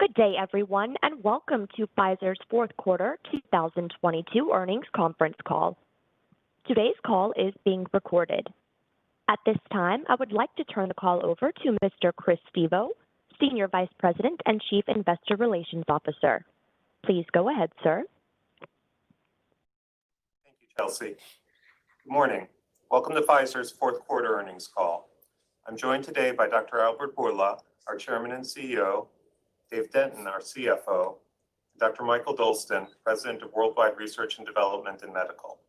Good day, everyone, and welcome to Pfizer's fourth quarter 2022 earnings conference call. Today's call is being recorded. At this time, I would like to turn the call over to Mr. Chris Schott, Senior Vice President and Chief Investor Relations Officer. Please go ahead, sir. Thank you, Kelsie. Good morning. Welcome to Pfizer's fourth quarter earnings call. I'm joined today by Dr. Albert Bourla, our Chairman and CEO, Dave Denton, our CFO, Dr. Mikael Dolsten, President of Worldwide Research and Development and Medical.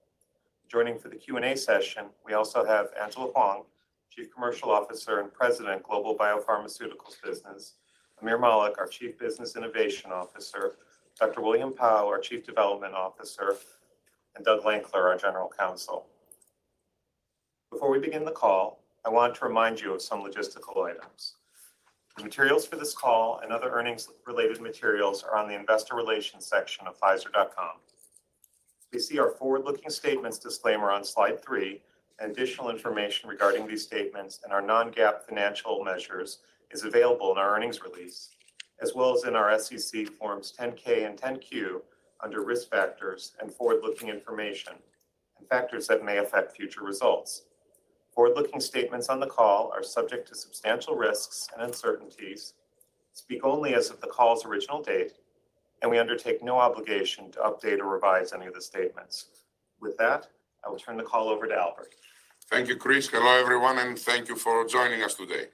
Joining for the Q&A session, we also have Angela Hwang, Chief Commercial Officer and President, Global Biopharmaceuticals Business, Aamir Malik, our Chief Business Innovation Officer, Dr. William Pao, our Chief Development Officer, and Doug Lankler, our General Counsel. Before we begin the call, I want to remind you of some logistical items. The materials for this call and other earnings-related materials are on the Investor Relations section of pfizer.com. You see our forward-looking statements disclaimer on slide three, and additional information regarding these statements and our non-GAAP financial measures is available in our earnings release, as well as in our SEC forms 10-K and 10-Q under Risk Factors and Forward-Looking Information and factors that may affect future results. Forward-looking statements on the call are subject to substantial risks and uncertainties, speak only as of the call's original date, and we undertake no obligation to update or revise any of the statements. With that, I will turn the call over to Albert. Thank you, Chris. Hello, everyone, thank you for joining us today.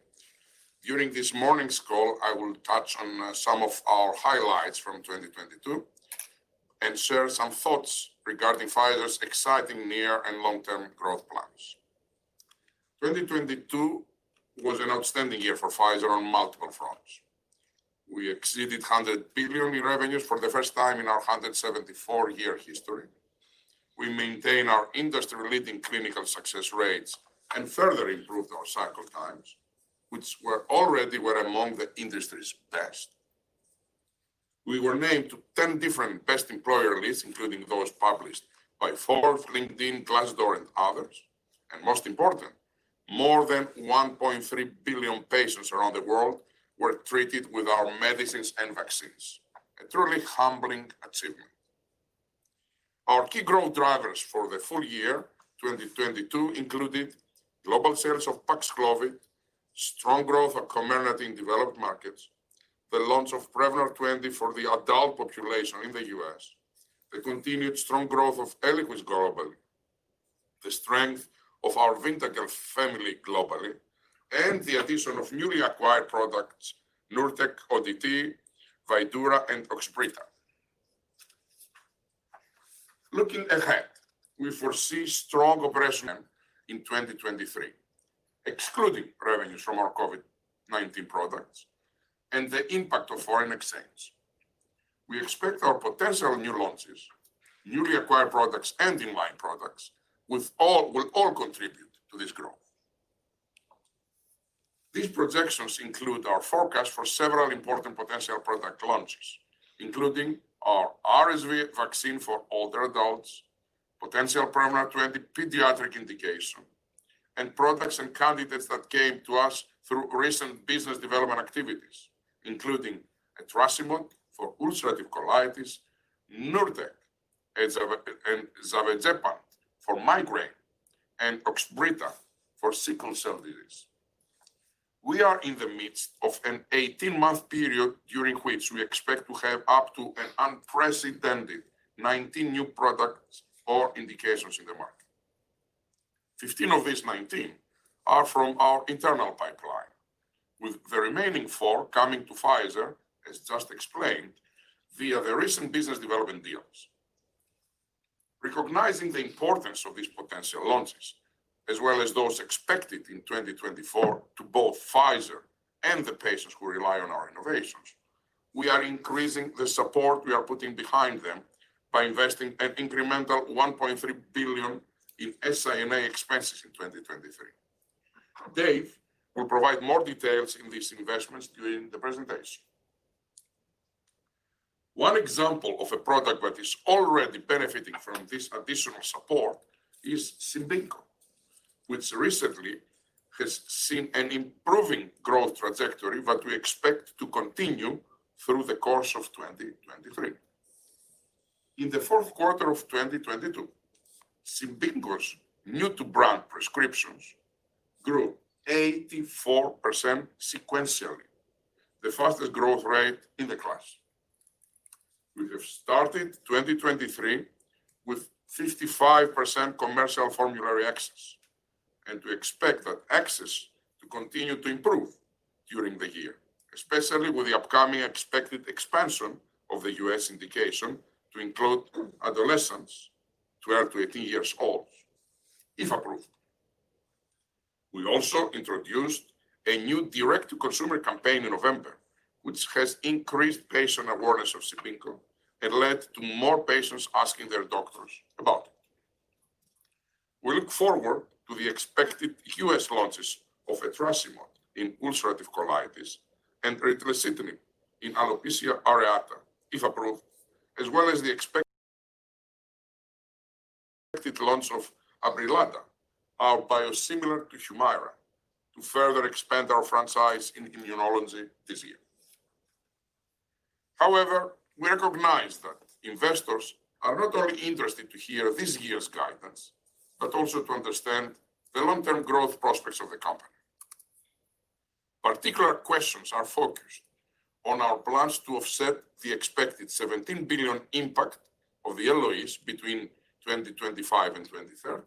During this morning's call, I will touch on some of our highlights from 2022 and share some thoughts regarding Pfizer's exciting near and long-term growth plans. 2022 was an outstanding year for Pfizer on multiple fronts. We exceeded 100 billion in revenues for the first time in our 174-year history. We maintain our industry-leading clinical success rates and further improved our cycle times, which were already among the industry's best. We were named to 10 different best employer lists, including those published by Forbes, LinkedIn, Glassdoor, and others. Most important, more than 1.3 billion patients around the world were treated with our medicines and vaccines, a truly humbling achievement. Our key growth drivers for the full year 2022 included global sales of Paxlovid, strong growth of Comirnaty in developed markets, the launch of Prevnar 20 for the adult population in the U.S., the continued strong growth of Eliquis globally, the strength of our Vyndaqel family globally, and the addition of newly acquired products Nurtec ODT, Vydura, and Oxbryta. Looking ahead, we foresee strong progression in 2023, excluding revenues from our COVID-19 products and the impact of foreign exchange. We expect our potential new launches, newly acquired products, and in-line products will all contribute to this growth. These projections include our forecast for several important potential product launches, including our RSV vaccine for older adults, potential Prevnar 20 pediatric indication, and products and candidates that came to us through recent business development activities, including etrasimod for ulcerative colitis, Nurtec and zavegepant for migraine, and Oxbryta for sickle cell disease. We are in the midst of an 18-month period during which we expect to have up to an unprecedented 19 new products or indications in the market. 15 of these 19 are from our internal pipeline, with the remaining four coming to Pfizer, as just explained, via the recent business development deals. Recognizing the importance of these potential launches, as well as those expected in 2024 to both Pfizer and the patients who rely on our innovations, we are increasing the support we are putting behind them by investing an incremental 1.3 billion in SI&A expenses in 2023. Dave will provide more details in these investments during the presentation. One example of a product that is already benefiting from this additional support is CIBINQO, which recently has seen an improving growth trajectory that we expect to continue through the course of 2023. In the fourth quarter of 2022, CIBINQO's new to brand prescriptions grew 84% sequentially, the fastest growth rate in the class. We have started 2023 with 55% commercial formulary access. We expect that access to continue to improve during the year, especially with the upcoming expected expansion of the U.S. indication to include adolescents 12-18 years old, if approved. We also introduced a new direct-to-consumer campaign in November, which has increased patient awareness of CIBINQO and led to more patients asking their doctors about it. We look forward to the expected U.S. launches of etrasimod in ulcerative colitis and ritlecitinib in alopecia areata, if approved, as well as the Expected launch of ABRILADA, our biosimilar to Humira, to further expand our franchise in immunology this year. We recognize that investors are not only interested to hear this year's guidance, but also to understand the long-term growth prospects of the company. Particular questions are focused on our plans to offset the expected 17 billion impact of the LOEs between 2025 and 2030,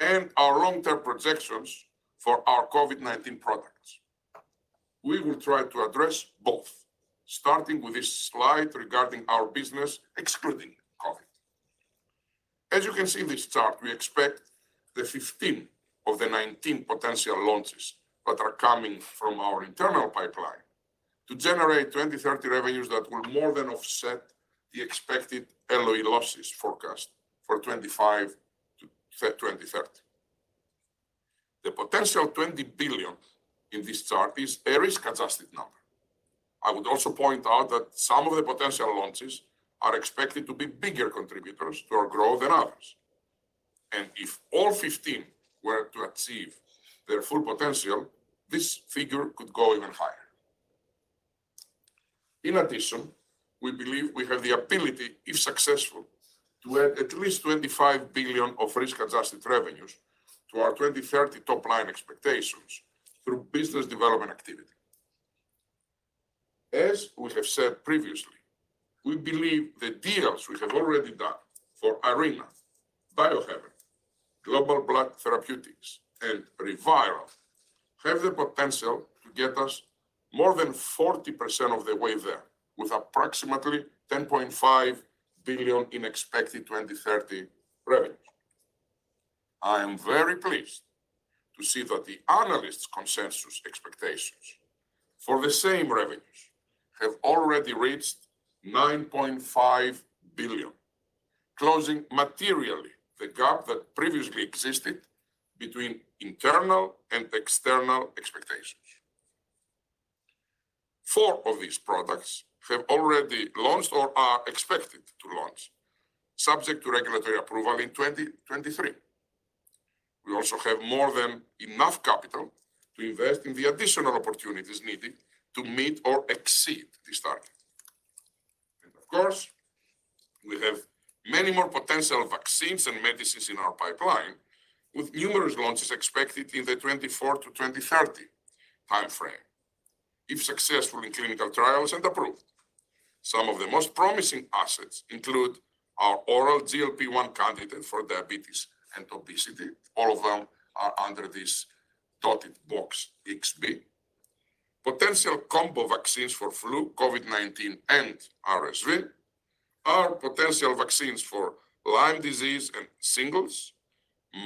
and our long-term projections for our COVID-19 products. We will try to address both, starting with this slide regarding our business excluding COVID. You can see in this chart, we expect the 15 of the 19 potential launches that are coming from our internal pipeline to generate 2030 revenues that will more than offset the expected LOE losses forecast for 2025 to 2030. The potential 20 billion in this chart is a risk-adjusted number. I would also point out that some of the potential launches are expected to be bigger contributors to our growth than others. If all 15 were to achieve their full potential, this figure could go even higher. We believe we have the ability, if successful, to add at least 25 billion of risk-adjusted revenues to our 2030 top line expectations through business development activity. As we have said previously, we believe the deals we have already done for Arena, Biohaven, Global Blood Therapeutics, and ReViral have the potential to get us more than 40% of the way there, with approximately 10.5 billion in expected 2030 revenues. I am very pleased to see that the analysts' consensus expectations for the same revenues have already reached 9.5 billion, closing materially the gap that previously existed between internal and external expectations. Four of these products have already launched or are expected to launch subject to regulatory approval in 2023. We also have more than enough capital to invest in the additional opportunities needed to meet or exceed this target. Of course, we have many more potential vaccines and medicines in our pipeline, with numerous launches expected in the 2024 to 2030 time frame, if successful in clinical trials and approved. Some of the most promising assets include our oral GLP-1 candidate for diabetes and obesity. All of them are under this dotted box XB. Potential combo vaccines for flu, COVID-19, and RSV, our potential vaccines for Lyme disease and shingles,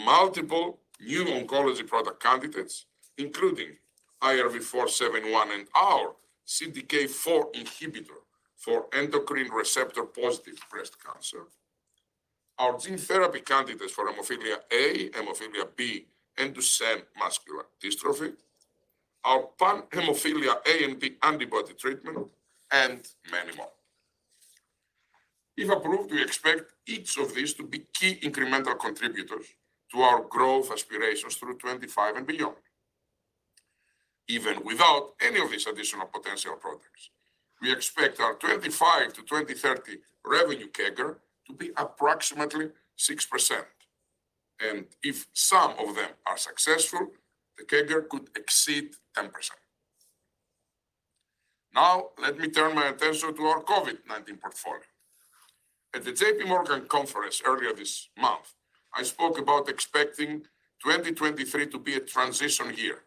multiple new oncology product candidates, including ARV-471 and our CDK4 inhibitor for estrogen receptor-positive breast cancer, our gene therapy candidates for hemophilia A, hemophilia B, and Duchenne muscular dystrophy, our pan-hemophilia A and B antibody treatment, and many more. If approved, we expect each of these to be key incremental contributors to our growth aspirations through 2025 and beyond. Even without any of these additional potential products, we expect our 25 to 2030 revenue CAGR to be approximately 6%. If some of them are successful, the CAGR could exceed 10%. Let me turn my attention to our COVID-19 portfolio. At the JPMorgan conference earlier this month, I spoke about expecting 2023 to be a transition year,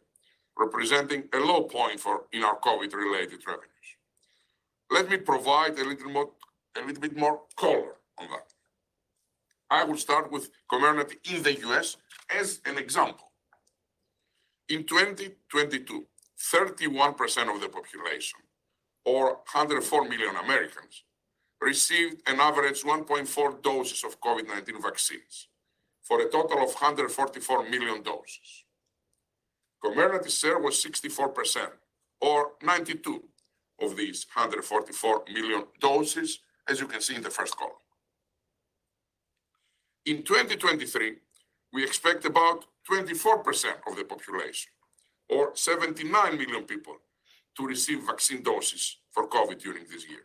representing a low point in our COVID-related revenues. Let me provide a little bit more color on that. I will start with Comirnaty in the U.S. as an example. In 2022, 31% of the population, or 104 million Americans, received an average 1.4 doses of COVID-19 vaccines, for a total of 144 million doses. Comirnaty share was 64%, or 92 of these 144 million doses, as you can see in the first column. In 2023, we expect about 24% of the population, or 79 million people, to receive vaccine doses for COVID during this year.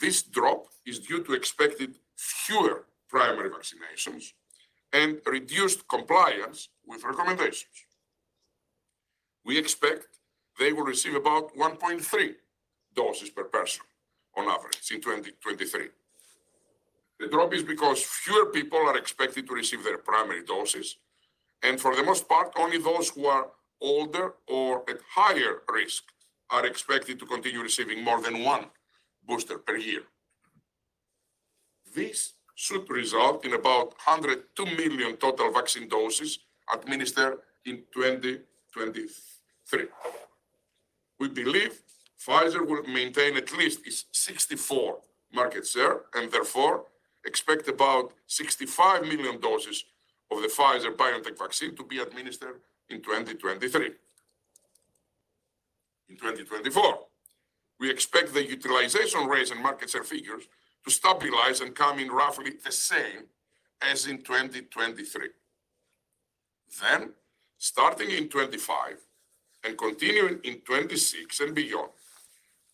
This drop is due to expected fewer primary vaccinations and reduced compliance with recommendations. We expect they will receive about 1.3 doses per person on average in 2023. The drop is because fewer people are expected to receive their primary doses, and for the most part, only those who are older or at higher risk are expected to continue receiving more than one booster per year. This should result in about 102 million total vaccine doses administered in 2023. We believe Pfizer will maintain at least its 64 markets share, therefore, expect about 65 million doses of the Pfizer-BioNTech vaccine to be administered in 2023. In 2024, we expect the utilization rates and market share figures to stabilize and come in roughly the same as in 2023. Starting in 2025 and continuing in 2026 and beyond,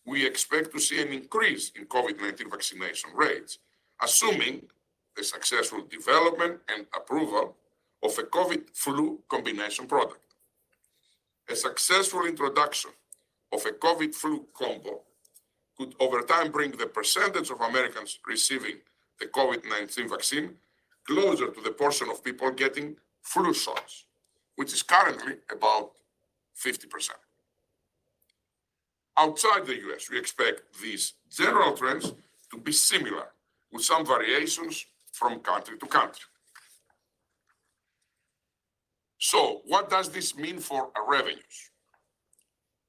we expect to see an increase in COVID-19 vaccination rates, assuming the successful development and approval of a COVID flu combination product. A successful introduction of a COVID flu combo could over time bring the percentage of Americans receiving the COVID-19 vaccine closer to the portion of people getting flu shots, which is currently about 50%. Outside the U.S., we expect these general trends to be similar with some variations from country to country. What does this mean for our revenues?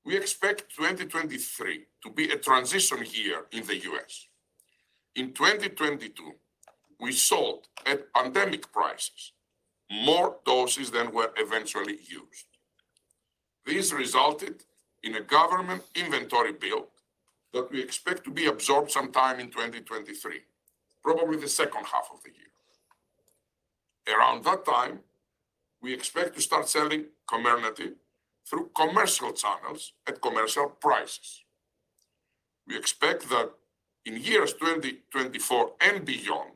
We expect 2023 to be a transition year in the U.S. In 2022, we sold at pandemic prices more doses than were eventually used. This resulted in a government inventory build that we expect to be absorbed sometime in 2023, probably the second half of the year. Around that time, we expect to start selling Comirnaty through commercial channels at commercial prices. We expect that in years 2024 and beyond,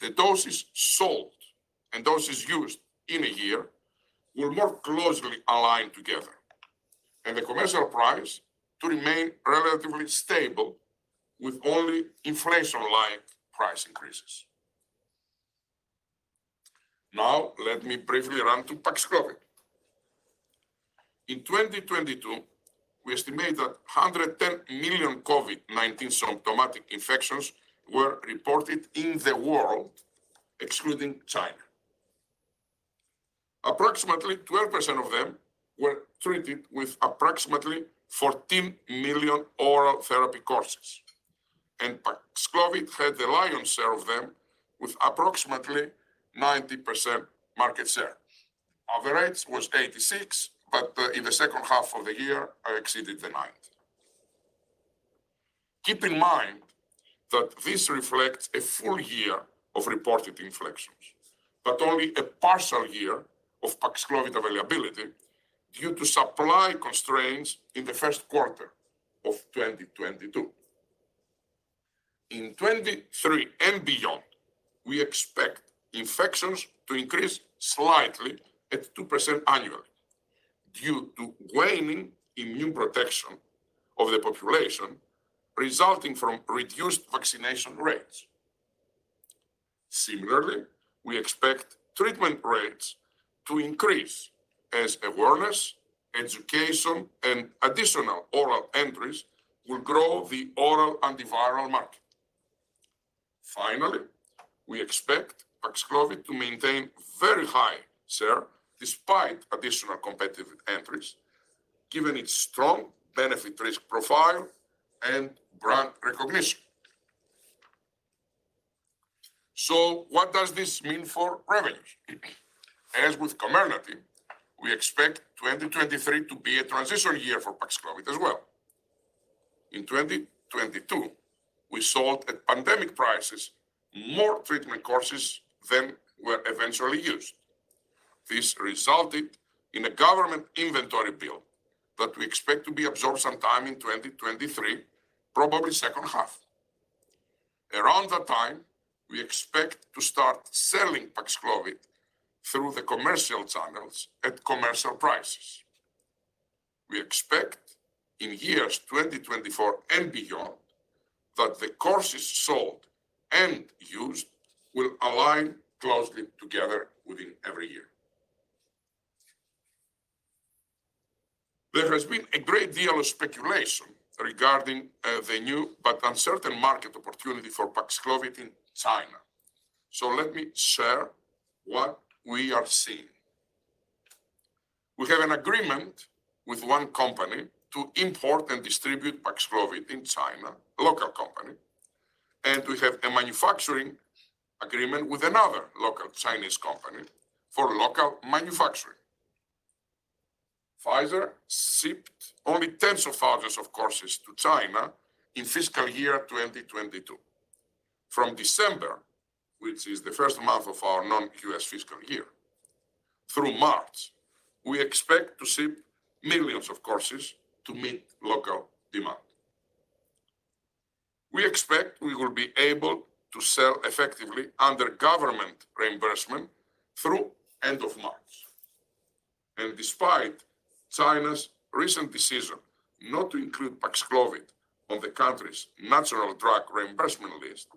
the doses sold and doses used in a year will more closely align together, and the commercial price to remain relatively stable with only inflation-aligned price increases. Let me briefly run through Paxlovid. In 2022, we estimate that 110 million COVID-19 symptomatic infections were reported in the world, excluding China. Approximately 12% of them were treated with approximately 14 million oral therapy courses. Paxlovid had the lion's share of them with approximately 90% market share. Average was 86, in the second half of the year, exceeded the 90. Keep in mind that this reflects a full year of reported infections, but only a partial year of Paxlovid availability due to supply constraints in the first quarter of 2022. In 2023 and beyond, we expect infections to increase slightly at 2% annually due to waning immune protection of the population resulting from reduced vaccination rates. Similarly, we expect treatment rates to increase as awareness, education, and additional oral entries will grow the oral antiviral market. Finally, we expect Paxlovid to maintain very high share despite additional competitive entries, given its strong benefit risk profile and brand recognition. What does this mean for revenue? As with Comirnaty, we expect 2023 to be a transition year for Paxlovid as well. In 2022, we sold at pandemic prices more treatment courses than were eventually used. This resulted in a government inventory build that we expect to be absorbed sometime in 2023, probably second half. Around that time, we expect to start selling Paxlovid through the commercial channels at commercial prices. We expect in years 2024 and beyond that the courses sold and used will align closely together within every year. There has been a great deal of speculation regarding the new but uncertain market opportunity for Paxlovid in China. Let me share what we are seeing. We have an agreement with one company to import and distribute Paxlovid in China, a local company, and we have a manufacturing agreement with another local Chinese company for local manufacturing. Pfizer shipped only tens of thousands of courses to China in fiscal year 2022. From December, which is the first month of our non-U.S. fiscal year, through March, we expect to ship millions of courses to meet local demand. We expect we will be able to sell effectively under government reimbursement through end of March. Despite China's recent decision not to include Paxlovid on the country's national drug reimbursement list,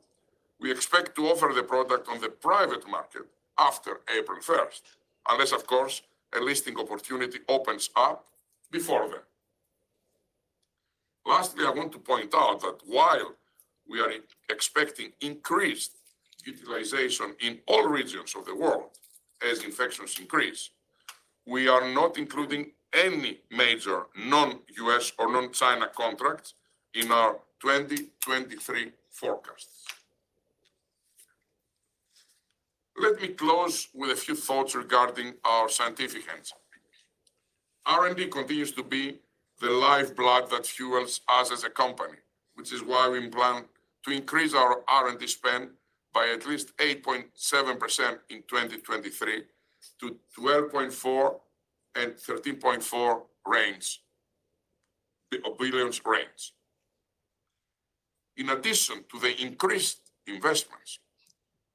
we expect to offer the product on the private market after April 1st, unless of course, a listing opportunity opens up before then. Lastly, I want to point out that while we are expecting increased utilization in all regions of the world as infections increase, we are not including any major non-US or non-China contracts in our 2023 forecasts. Let me close with a few thoughts regarding our scientific hands. R&D continues to be the lifeblood that fuels us as a company, which is why we plan to increase our R&D spend by at least 8.7% in 2023 to the 12.4 billion-13.4 billion range, the guidance range. In addition to the increased investments,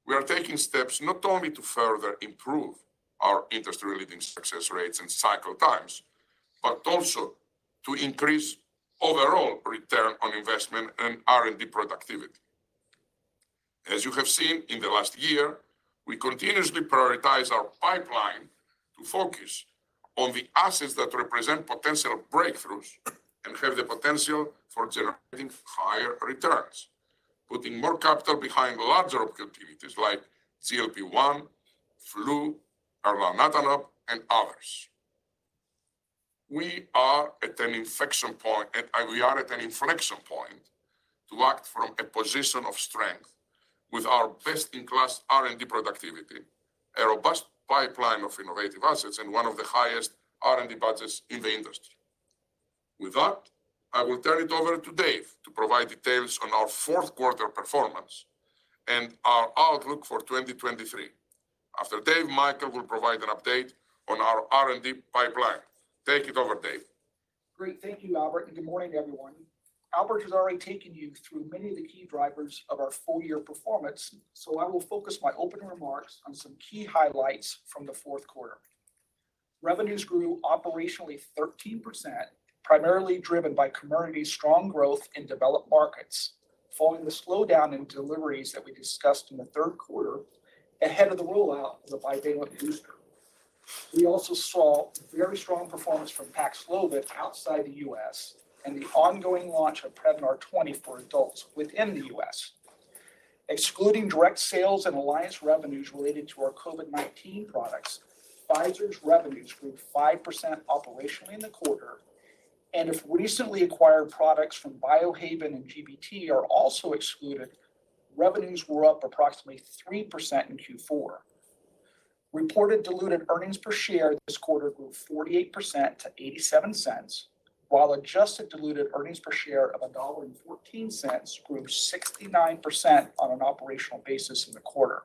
we are taking steps not only to further improve our industry-leading success rates and cycle times, but also to increase overall ROI and R&D productivity. As you have seen in the last year, we continuously prioritize our pipeline to focus on the assets that represent potential breakthroughs and have the potential for generating higher returns, putting more capital behind larger opportunities like GLP-1, Flu, elranatamab, and others. We are at an inflection point to act from a position of strength with our best-in-class R&D productivity, a robust pipeline of innovative assets, and one of the highest R&D budgets in the industry. I will turn it over to Dave to provide details on our fourth quarter performance and our outlook for 2023. After Dave, Mikael will provide an update on our R&D pipeline. Take it over, Dave. Great. Thank you, Albert. Good morning, everyone. Albert has already taken you through many of the key drivers of our full-year performance. I will focus my opening remarks on some key highlights from the fourth quarter. Revenues grew operationally 13%, primarily driven by Comirnaty's strong growth in developed markets following the slowdown in deliveries that we discussed in the third quarter ahead of the rollout of the bivalent booster. We also saw very strong performance from Paxlovid outside the U.S. and the ongoing launch of Prevnar 20 for adults within the U.S. Excluding direct sales and alliance revenues related to our COVID-19 products, Pfizer's revenues grew 5% operationally in the quarter. If recently acquired products from Biohaven and GBT are also excluded, revenues were up approximately 3% in Q4. Reported diluted earnings per share this quarter grew 48% to $0.87, while adjusted diluted earnings per share of $1.14 grew 69% on an operational basis in the quarter.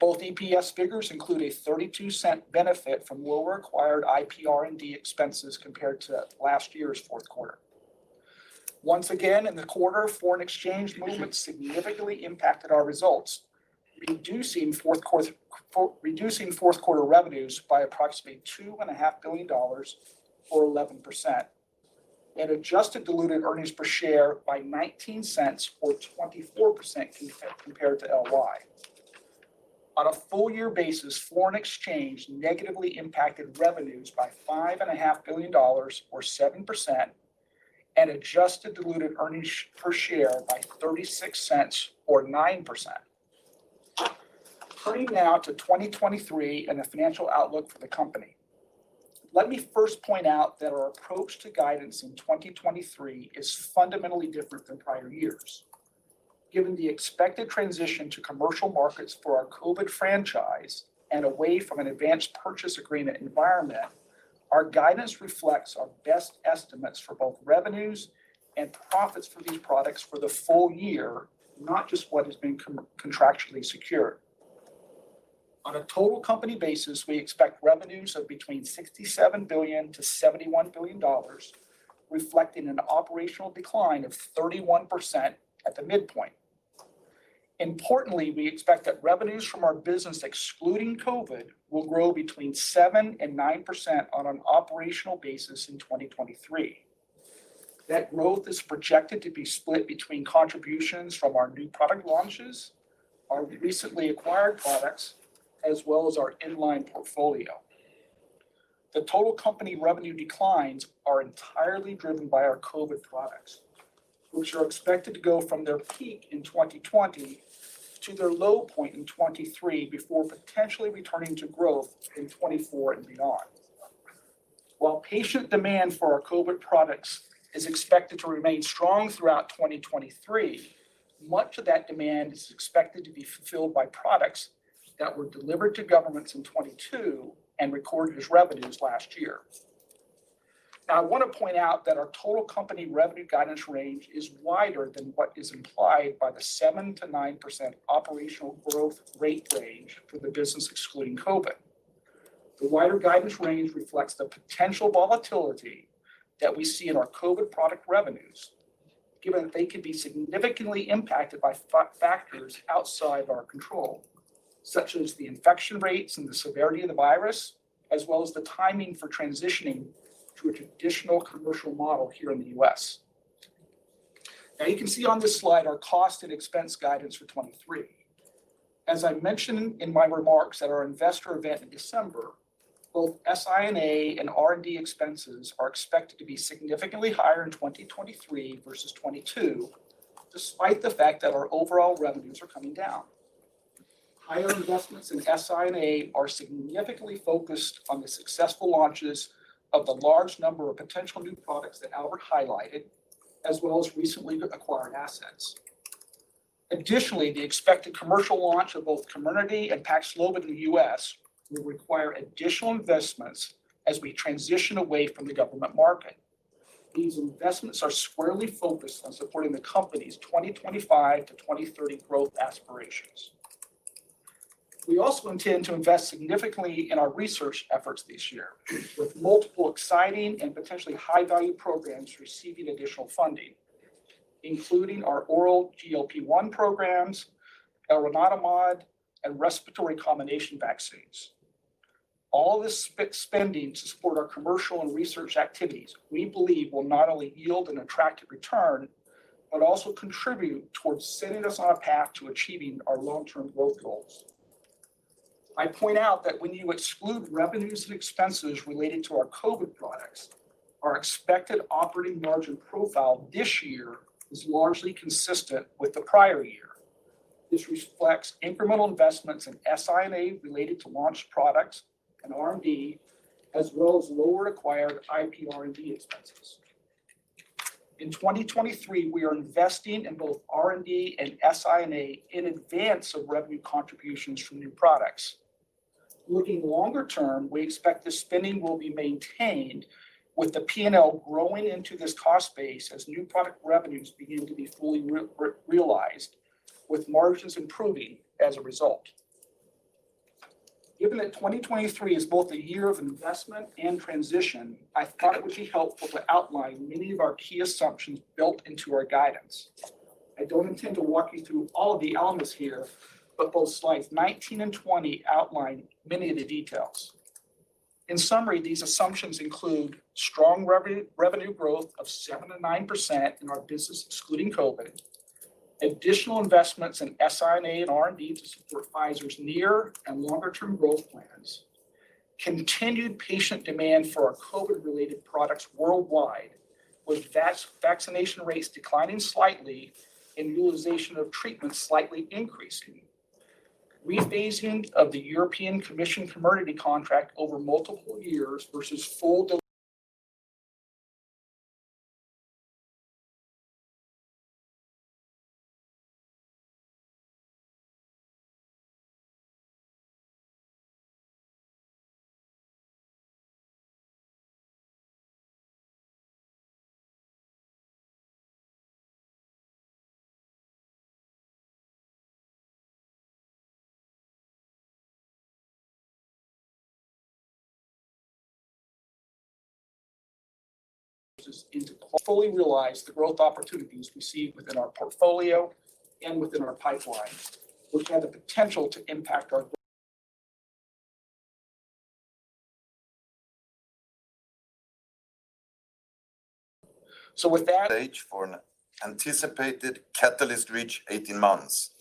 Both EPS figures include a $0.32 benefit from lower acquired IPR&D expenses compared to last year's fourth quarter. Once again, in the quarter, foreign exchange movements significantly impacted our results, reducing fourth quarter revenues by approximately two and a half billion dollars, or 11%, and adjusted diluted earnings per share by $0.19 or 24% compared to LY. On a full year basis, foreign exchange negatively impacted revenues by five and a half billion dollars or 7% and adjusted diluted earnings per share by 0.36 or 9%. Turning now to 2023 and the financial outlook for the company. Let me first point out that our approach to guidance in 2023 is fundamentally different than prior years. Given the expected transition to commercial markets for our COVID franchise and away from an advanced purchase agreement environment, our guidance reflects our best estimates for both revenues and profits for these products for the full year, not just what has been contractually secured. On a total company basis, we expect revenues of between $67 billion-$71 billion, reflecting an operational decline of 31% at the midpoint. Importantly, we expect that revenues from our business excluding COVID will grow between 7% and 9% on an operational basis in 2023. That growth is projected to be split between contributions from our new product launches, our recently acquired products, as well as our in-line portfolio. The total company revenue declines are entirely driven by our COVID products, which are expected to go from their peak in 2020 to their low point in 2023 before potentially returning to growth in 2024 and beyond. While patient demand for our COVID products is expected to remain strong throughout 2023, much of that demand is expected to be fulfilled by products that were delivered to governments in 2022 and recorded as revenues last year. Now, I wanna point out that our total company revenue guidance range is wider than what is implied by the 7%-9% operational growth rate range for the business excluding COVID. The wider guidance range reflects the potential volatility that we see in our COVID product revenues, given that they could be significantly impacted by factors outside our control, such as the infection rates and the severity of the virus, as well as the timing for transitioning to a traditional commercial model here in the U.S. You can see on this slide our cost and expense guidance for 23. As I mentioned in my remarks at our investor event in December, both SI&A, and R&D expenses are expected to be significantly higher in 2023 versus 22, despite the fact that our overall revenues are coming down. Higher investments in S, I and A are significantly focused on the successful launches of the large number of potential new products that Albert highlighted, as well as recently acquired assets. Additionally, the expected commercial launch of both Comirnaty and Paxlovid in the U.S. will require additional investments as we transition away from the government market. These investments are squarely focused on supporting the company's 2025 to 2030 growth aspirations. We also intend to invest significantly in our research efforts this year, with multiple exciting and potentially high-value programs receiving additional funding, including our oral GLP-1 programs, elranatamab, and respiratory combination vaccines. All this spending to support our commercial and research activities we believe will not only yield an attractive return, but also contribute towards setting us on a path to achieving our long-term growth goals. I point out that when you exclude revenues and expenses related to our COVID products, our expected operating margin profile this year is largely consistent with the prior year. This reflects incremental investments in SI&A related to launched products and R&D, as well as lower acquired IPR&D expenses. In 2023, we are investing in both R&D and SI&A in advance of revenue contributions from new products. Looking longer term, we expect this spending will be maintained with the P&L growing into this cost base as new product revenues begin to be fully realized, with margins improving as a result. Given that 2023 is both a year of investment and transition, I thought it would be helpful to outline many of our key assumptions built into our guidance. I don't intend to walk you through all of the elements here, but both slides 19 and 20 outline many of the details. In summary, these assumptions include strong revenue growth of 7% to 9% in our business excluding COVID, additional investments in SI&A and R&D to support Pfizer's near and longer-term growth plans, continued patient demand for our COVID-related products worldwide, with vaccination rates declining slightly and utilization of treatments slightly increasing, rephasing of the European Commission Comirnaty contract over multiple years versus full. To fully realize the growth opportunities we see within our portfolio and within our pipeline, which have the potential to impact our. Stage for an anticipated catalyst reach 18 months.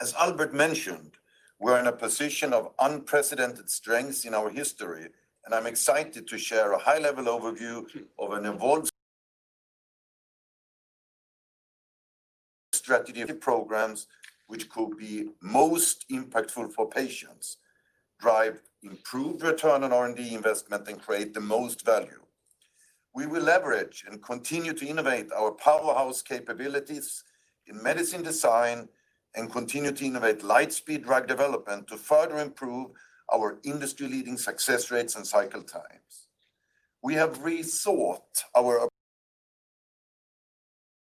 As Albert mentioned, we're in a position of unprecedented strength in our history, and I'm excited to share a high-level overview of an evolved strategy of the programs which could be most impactful for patients, drive improved return on R&D investment, and create the most value. We will leverage and continue to innovate our powerhouse capabilities in medicine design and continue to innovate lightspeed drug development to further improve our industry-leading success rates and cycle times. We have rethought our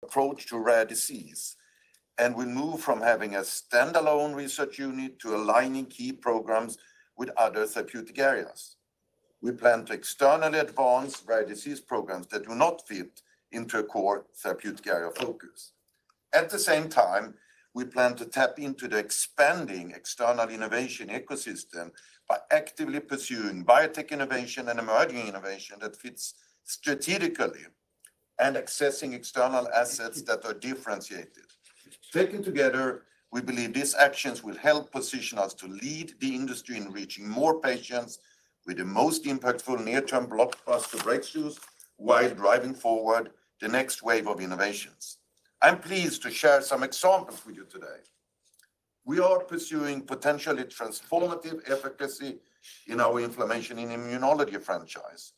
approach to rare disease, and we move from having a standalone research unit to aligning key programs with other therapeutic areas. We plan to externally advance rare disease programs that do not fit into a core therapeutic area of focus. At the same time, we plan to tap into the expanding external innovation ecosystem by actively pursuing biotech innovation and emerging innovation that fits strategically and accessing external assets that are differentiated. Taken together, we believe these actions will help position us to lead the industry in reaching more patients with the most impactful near-term blockbuster breakthroughs while driving forward the next wave of innovations. I'm pleased to share some examples with you today. We are pursuing potentially transformative efficacy in our inflammation and immunology franchise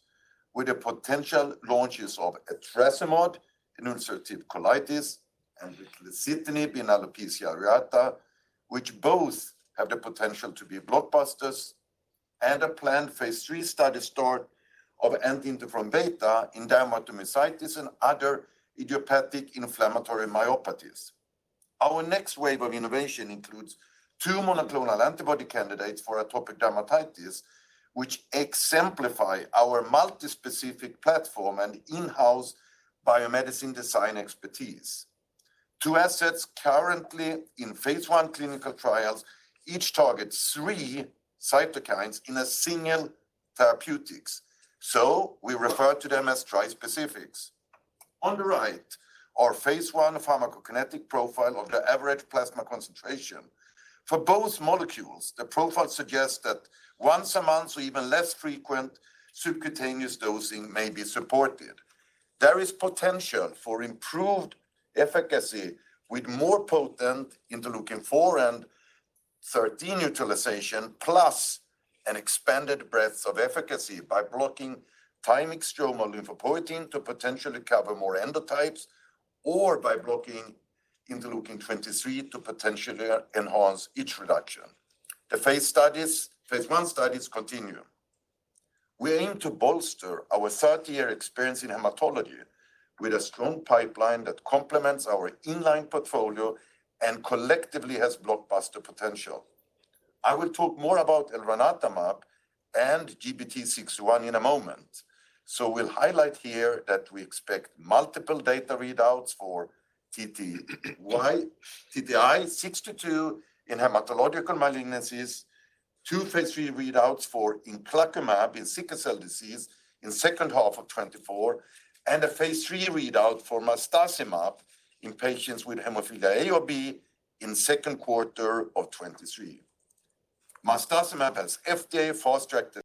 with the potential launches of etrasimod in ulcerative colitis and ritlecitinib in alopecia areata, which both have the potential to be blockbusters, and a planned phase three study start of anti-interferon beta in dermatomyositis and other idiopathic inflammatory myopathies. Our next wave of innovation includes two monoclonal antibody candidates for atopic dermatitis, which exemplify our multispecific platform and in-house biomedicine design expertise. Two assets currently in phase I clinical trials each target three cytokines in a single therapeutics, we refer to them as trispecifics. On the right are phase I pharmacokinetic profile of the average plasma concentration. For both molecules, the profile suggests that once a month or even less frequent subcutaneous dosing may be supported. There is potential for improved efficacy with more potent interleukin-4 and 13 utilization plus an expanded breadth of efficacy by blocking thymic stromal lymphopoietin to potentially cover more endotypes or by blocking Interleukin 23 to potentially enhance itch reduction. The phase studies, phase I studies continue. We aim to bolster our 30-year experience in hematology with a strong pipeline that complements our in-line portfolio and collectively has blockbuster potential. I will talk more about elranatamab and GBT601 in a moment. We'll highlight here that we expect multiple data readouts for TTI-622 in hematological malignancies, two phase three readouts for inclacumab in sickle cell disease in second half of 2024, and a phase three readout for marstacimab in patients with hemophilia A or B in second quarter of 2023. marstacimab has FDA fast-tracked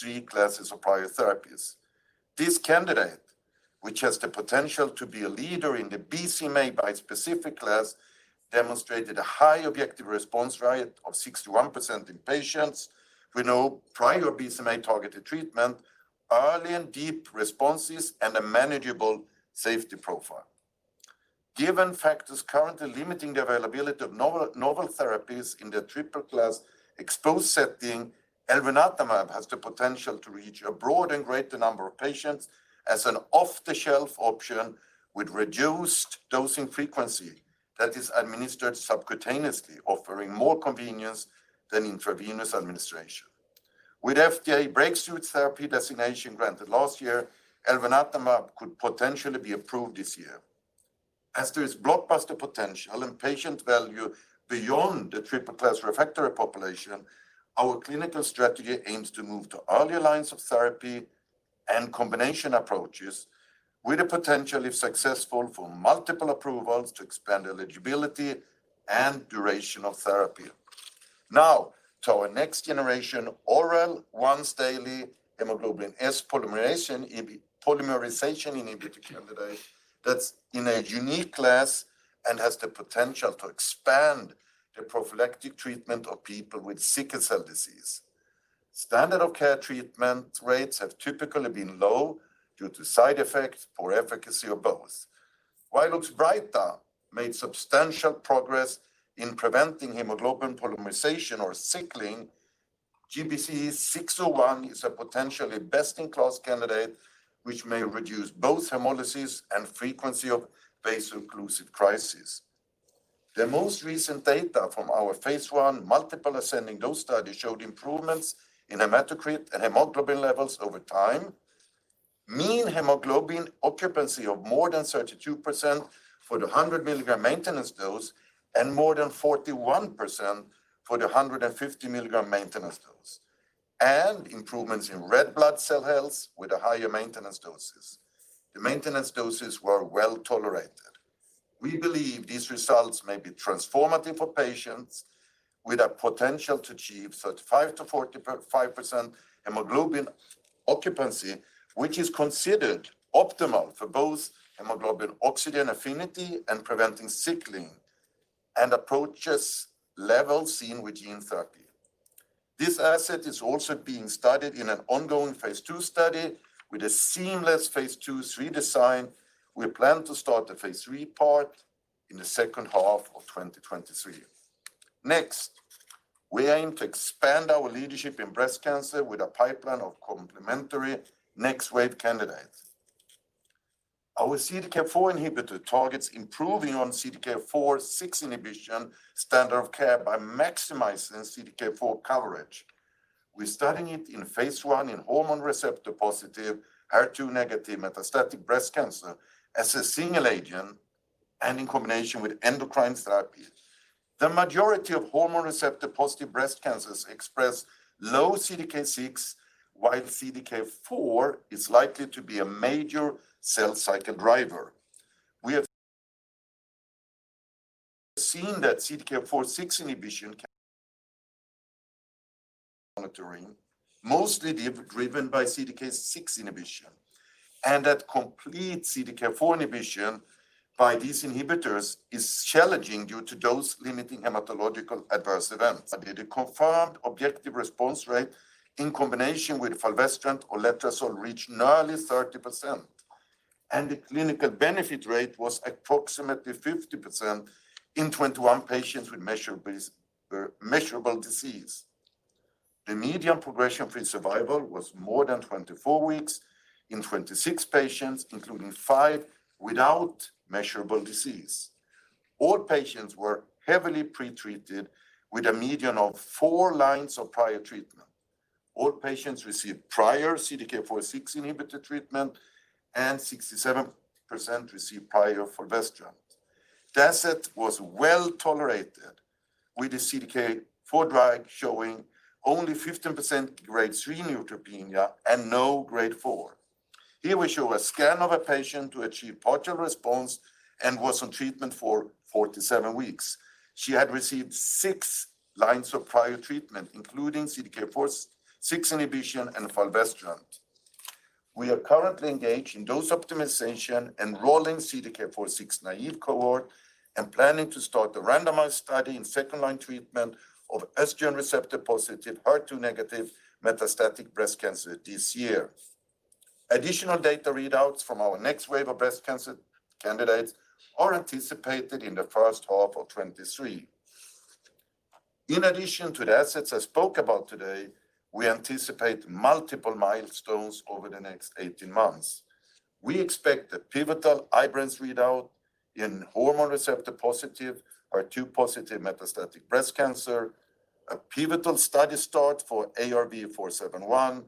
three classes of prior therapies. This candidate, which has the potential to be a leader in the BCMA bispecific class, demonstrated a high objective response rate of 61% in patients with no prior BCMA-targeted treatment, early and deep responses, and a manageable safety profile. Given factors currently limiting the availability of novel therapies in the triple class exposed setting, elranatamab has the potential to reach a broad and greater number of patients as an off-the-shelf option with reduced dosing frequency that is administered subcutaneously, offering more convenience than intravenous administration. With FDA Breakthrough Therapy Designation granted last year, elranatamab could potentially be approved this year. Its blockbuster potential and patient value beyond the triple class refractory population, our clinical strategy aims to move to earlier lines of therapy and combination approaches with a potentially successful for multiple approvals to expand eligibility and duration of therapy. Our next-generation oral once-daily hemoglobin S polymerization inhibitor candidate that's in a unique class and has the potential to expand the prophylactic treatment of people with sickle cell disease. Standard of care treatment rates have typically been low due to side effects, poor efficacy, or both. Oxbryta made substantial progress in preventing hemoglobin polymerization or sickling. GBT601 is a potentially best-in-class candidate which may reduce both hemolysis and frequency of vaso-occlusive crisis. The most recent data from our phase 1 multiple ascending dose study showed improvements in hematocrit and hemoglobin levels over time. Mean hemoglobin occupancy of more than 32% for the 100-milligram maintenance dose and more than 41% for the 150-milligram maintenance dose. Improvements in red blood cell health with the higher maintenance doses. The maintenance doses were well-tolerated. We believe these results may be transformative for patients with a potential to achieve 35%-45% hemoglobin occupancy, which is considered optimal for both hemoglobin oxygen affinity and preventing sickling, and approaches levels seen with gene therapy. This asset is also being studied in an ongoing phase two study with a seamless phase two-three design. We plan to start the phase three part in the second half of 2023. We aim to expand our leadership in breast cancer with a pipeline of complementary next-wave candidates. Our CDK4 inhibitor targets improving on CDK4/6 inhibition standard of care by maximizing CDK4 coverage. We're studying it in phase 1 in hormone receptor-positive, HER2 negative metastatic breast cancer as a single agent and in combination with endocrine therapy. The majority of hormone receptor-positive breast cancers express low CDK6, while CDK4 is likely to be a major cell cycle driver. We have seen that CDK4/6 inhibition monitoring, mostly driven by CDK6 inhibition, and that complete CDK4 inhibition by these inhibitors is challenging due to dose-limiting hematological adverse events. The confirmed objective response rate in combination with fulvestrant or letrozole reached nearly 30%, and the clinical benefit rate was approximately 50% in 21 patients with measurable disease. The median progression-free survival was more than 24 weeks in 26 patients, including five without measurable disease. All patients were heavily pre-treated with a median of four lines of prior treatment. All patients received prior CDK4/6 inhibitor treatment and 67% received prior fulvestrant. The asset was well-tolerated, with the CDK4 drug showing only 15% grade three neutropenia and no grade four. Here we show a scan of a patient who achieved partial response and was on treatment for 47 weeks. She had received six lines of prior treatment, including CDK4/6 inhibition and fulvestrant. We are currently engaged in dose optimization, enrolling CDK4/6-naive cohort, and planning to start the randomized study in second-line treatment of estrogen receptor-positive, HER2 negative metastatic breast cancer this year. Additional data readouts from our next wave of breast cancer candidates are anticipated in the first half of 2023. In addition to the assets I spoke about today, we anticipate multiple milestones over the next 18 months. We expect a pivotal IBRANCE readout in hormone receptor-positive, HER2 positive metastatic breast cancer, a pivotal study start for ARV-471,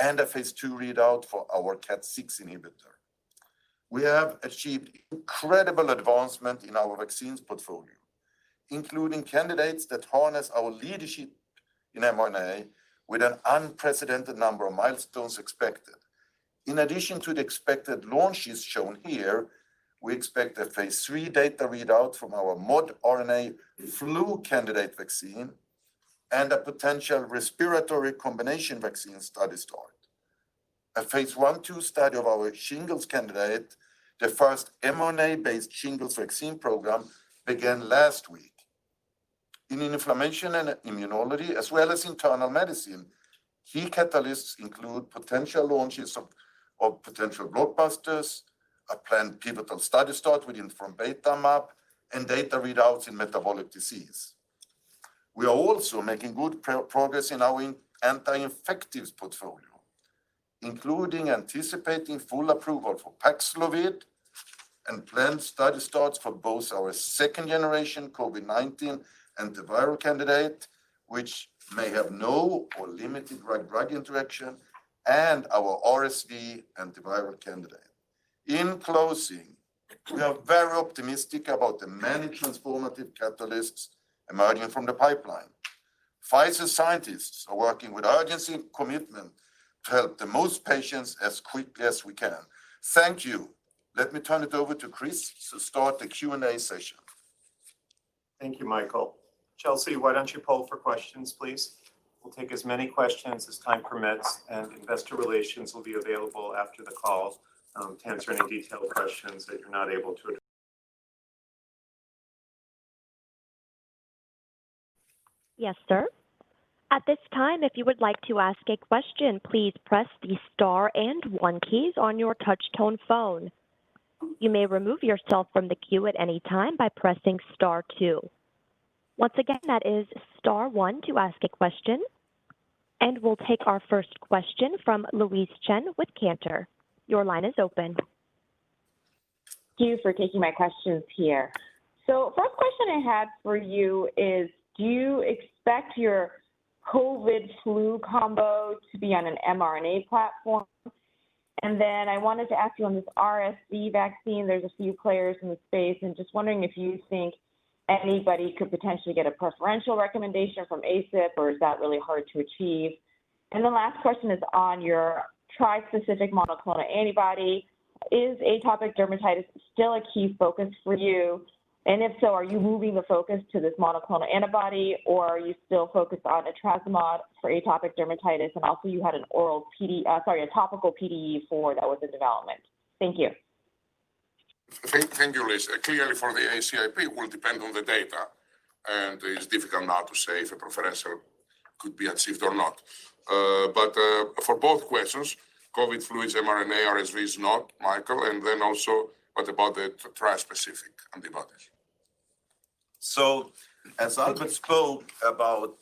and a phase two readout for our KAT6 inhibitor. We have achieved incredible advancement in our vaccines portfolio, including candidates that harness our leadership in mRNA with an unprecedented number of milestones expected. In addition to the expected launches shown here, we expect a phase three data readout from our modRNA flu candidate vaccine and a potential respiratory combination vaccine study start. A phase one/two study of our shingles candidate, the first mRNA-based shingles vaccine program, began last week. In inflammation and immunology as well as internal medicine, key catalysts include potential launches of potential blockbusters, a planned pivotal study start with poneselumab, and data readouts in metabolic disease. We are also making good progress in our anti-infectives portfolio, including anticipating full approval for Paxlovid and planned study starts for both our second-generation COVID-19 antiviral candidate, which may have no or limited drug-drug interaction, and our RSV antiviral candidate. In closing, we are very optimistic about the many transformative catalysts emerging from the pipeline. Pfizer scientists are working with urgency and commitment to help the most patients as quickly as we can. Thank you. Let me turn it over to Chris to start the Q&A session. Thank you, Mikael. Kelsie, why don't you poll for questions, please? We'll take as many questions as time permits. Investor Relations will be available after the call to answer any detailed questions that you're not able. Yes, sir. At this time, if you would like to ask a question, please press the star and one keys on your touch tone phone. You may remove yourself from the queue at any time by pressing star two. Once again, that is star one to ask a question. We'll take our first question from Louise Chen with Cantor. Your line is open. Thank you for taking my questions here. First question I had for you is, do you expect your COVID flu combo to be on an mRNA platform? I wanted to ask you on this RSV vaccine, there's a few players in the space, and just wondering if you think anybody could potentially get a preferential recommendation from ACIP, or is that really hard to achieve? The last question is on your tri-specific monoclonal antibody. Is atopic dermatitis still a key focus for you? If so, are you moving the focus to this monoclonal antibody, or are you still focused on etrasimod for atopic dermatitis? You had a topical PDE4 that was in development. Thank you. Thank you, Louise. Clearly for the ACIP, will depend on the data, and it is difficult now to say if a preferential could be achieved or not. But for both questions, COVID flu is mRNA, RSV is not. Mikael, what about the tri-specific antibodies? As Albert spoke about,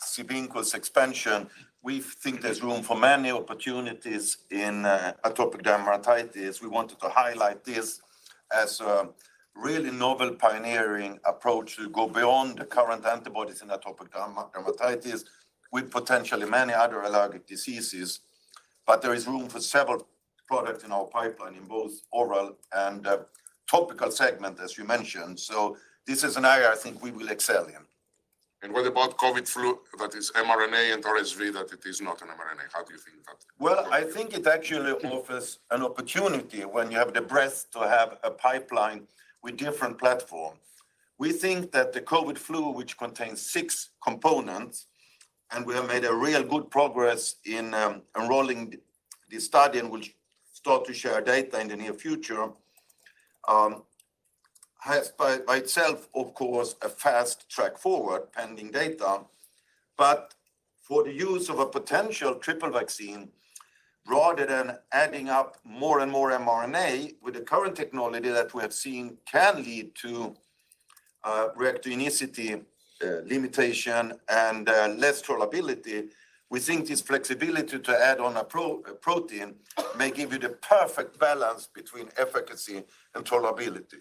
CIBINQO's expansion, we think there's room for many opportunities in atopic dermatitis. We wanted to highlight this as a really novel pioneering approach to go beyond the current antibodies in atopic dermatitis with potentially many other allergic diseases. There is room for several products in our pipeline in both oral and topical segment, as you mentioned. This is an area I think we will excel in. What about COVID flu that is mRNA and RSV that it is not an mRNA? How do you think Well, I think it actually offers an opportunity when you have the breadth to have a pipeline with different platform. We think that the COVID flu, which contains six components, and we have made a real good progress in enrolling this study and will start to share data in the near future, has by itself of course a fast track forward pending data. For the use of a potential triple vaccine Rather than adding up more and more mRNA with the current technology that we have seen can lead to reactogenicity, limitation, and less tolerability. We think this flexibility to add on a protein may give you the perfect balance between efficacy and tolerability.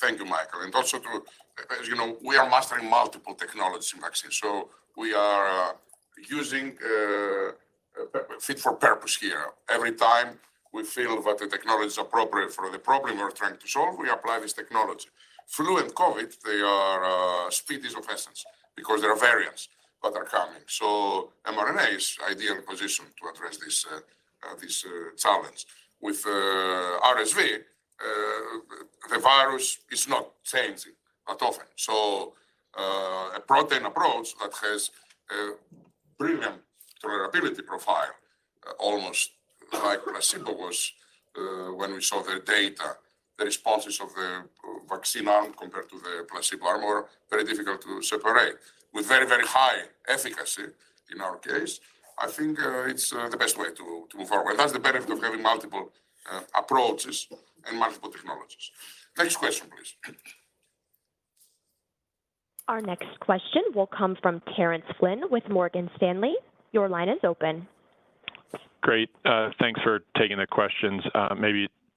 Thank you, Mikael, and also. You know, we are mastering multiple technology vaccines. We are using fit for purpose here. Every time we feel that the technology is appropriate for the problem we're trying to solve, we apply this technology. Flu and COVID, they are, speed is of essence because there are variants that are coming. mRNA is ideal position to address this challenge. With RSV, the virus is not changing that often. A protein approach that has a premium tolerability profile, almost like when a placebo was, when we saw the data, the responses of the vaccine arm compared to the placebo arm were very difficult to separate with very, very high efficacy in our case. I think it's the best way to move forward. That's the benefit of having multiple approaches and multiple technologies. Next question, please. Our next question will come from Terence Flynn with Morgan Stanley. Your line is open. Great. Thanks for taking the questions.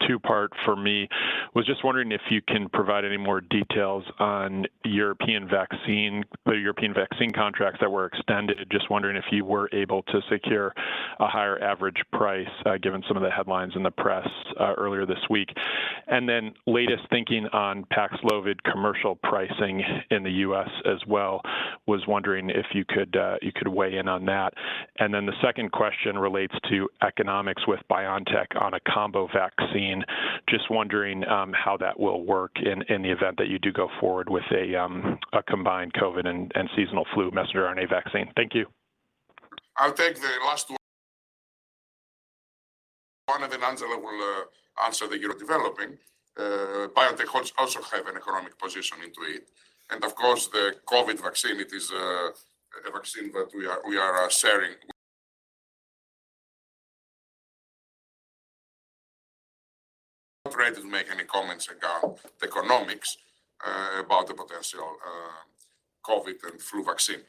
Maybe two-part for me. Was just wondering if you can provide any more details on European vaccine, the European vaccine contracts that were extended. Just wondering if you were able to secure a higher average price, given some of the headlines in the press earlier this week. Latest thinking on Paxlovid commercial pricing in the U.S. as well. Was wondering if you could weigh in on that. The second question relates to economics with BioNTech on a combo vaccine. Just wondering how that will work in the event that you do go forward with a combined COVID and seasonal flu messenger RNA vaccine. Thank you. I'll take the last one. Angela will answer the euro developing. BioNTech also have an economic position into it. Of course, the COVID vaccine, it is a vaccine that we are sharing. Not ready to make any comments about the economics, about the potential COVID and flu vaccine.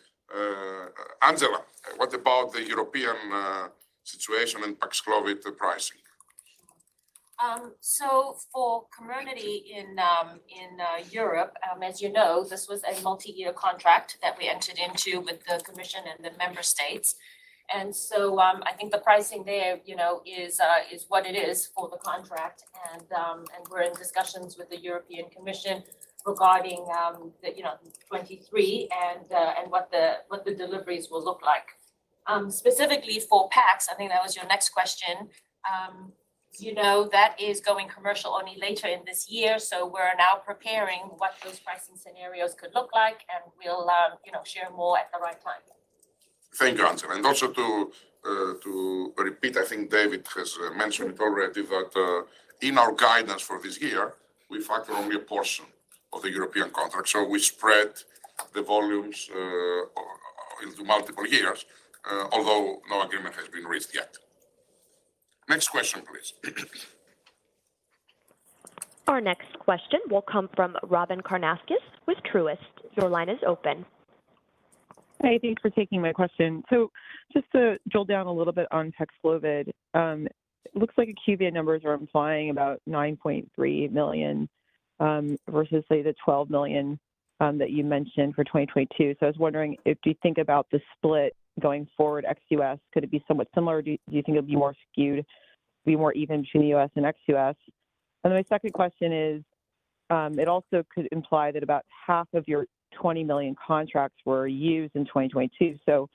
Angela, what about the European situation and Paxlovid pricing? For Comirnaty in Europe, as you know, this was a multi-year contract that we entered into with the Commission and the member states. I think the pricing there, you know, is what it is for the contract. We're in discussions with the European Commission regarding the, you know, 23 and what the, what the deliveries will look like. Specifically for Pax, I think that was your next question. You know, that is going commercial only later in this year. We're now preparing what those pricing scenarios could look like, and we'll, you know, share more at the right time. Thank you, Angela. Also to repeat, I think David has mentioned it already that in our guidance for this year, we factor only a portion of the European contract. We spread the volumes into multiple years, although no agreement has been reached yet. Next question, please. Our next question will come from Robyn Karnauskas with Truist. Your line is open. Hi. Thanks for taking my question. Just to drill down a little bit on Paxlovid. Looks like IQVIA numbers are implying about 9.3 million versus say the 12 million that you mentioned for 2022. I was wondering if you think about the split going forward ex-US, could it be somewhat similar, or do you think it'll be more skewed, be more even to the US and ex-U.S.? My second question is, it also could imply that about half of your 20 million contracts were used in 2022.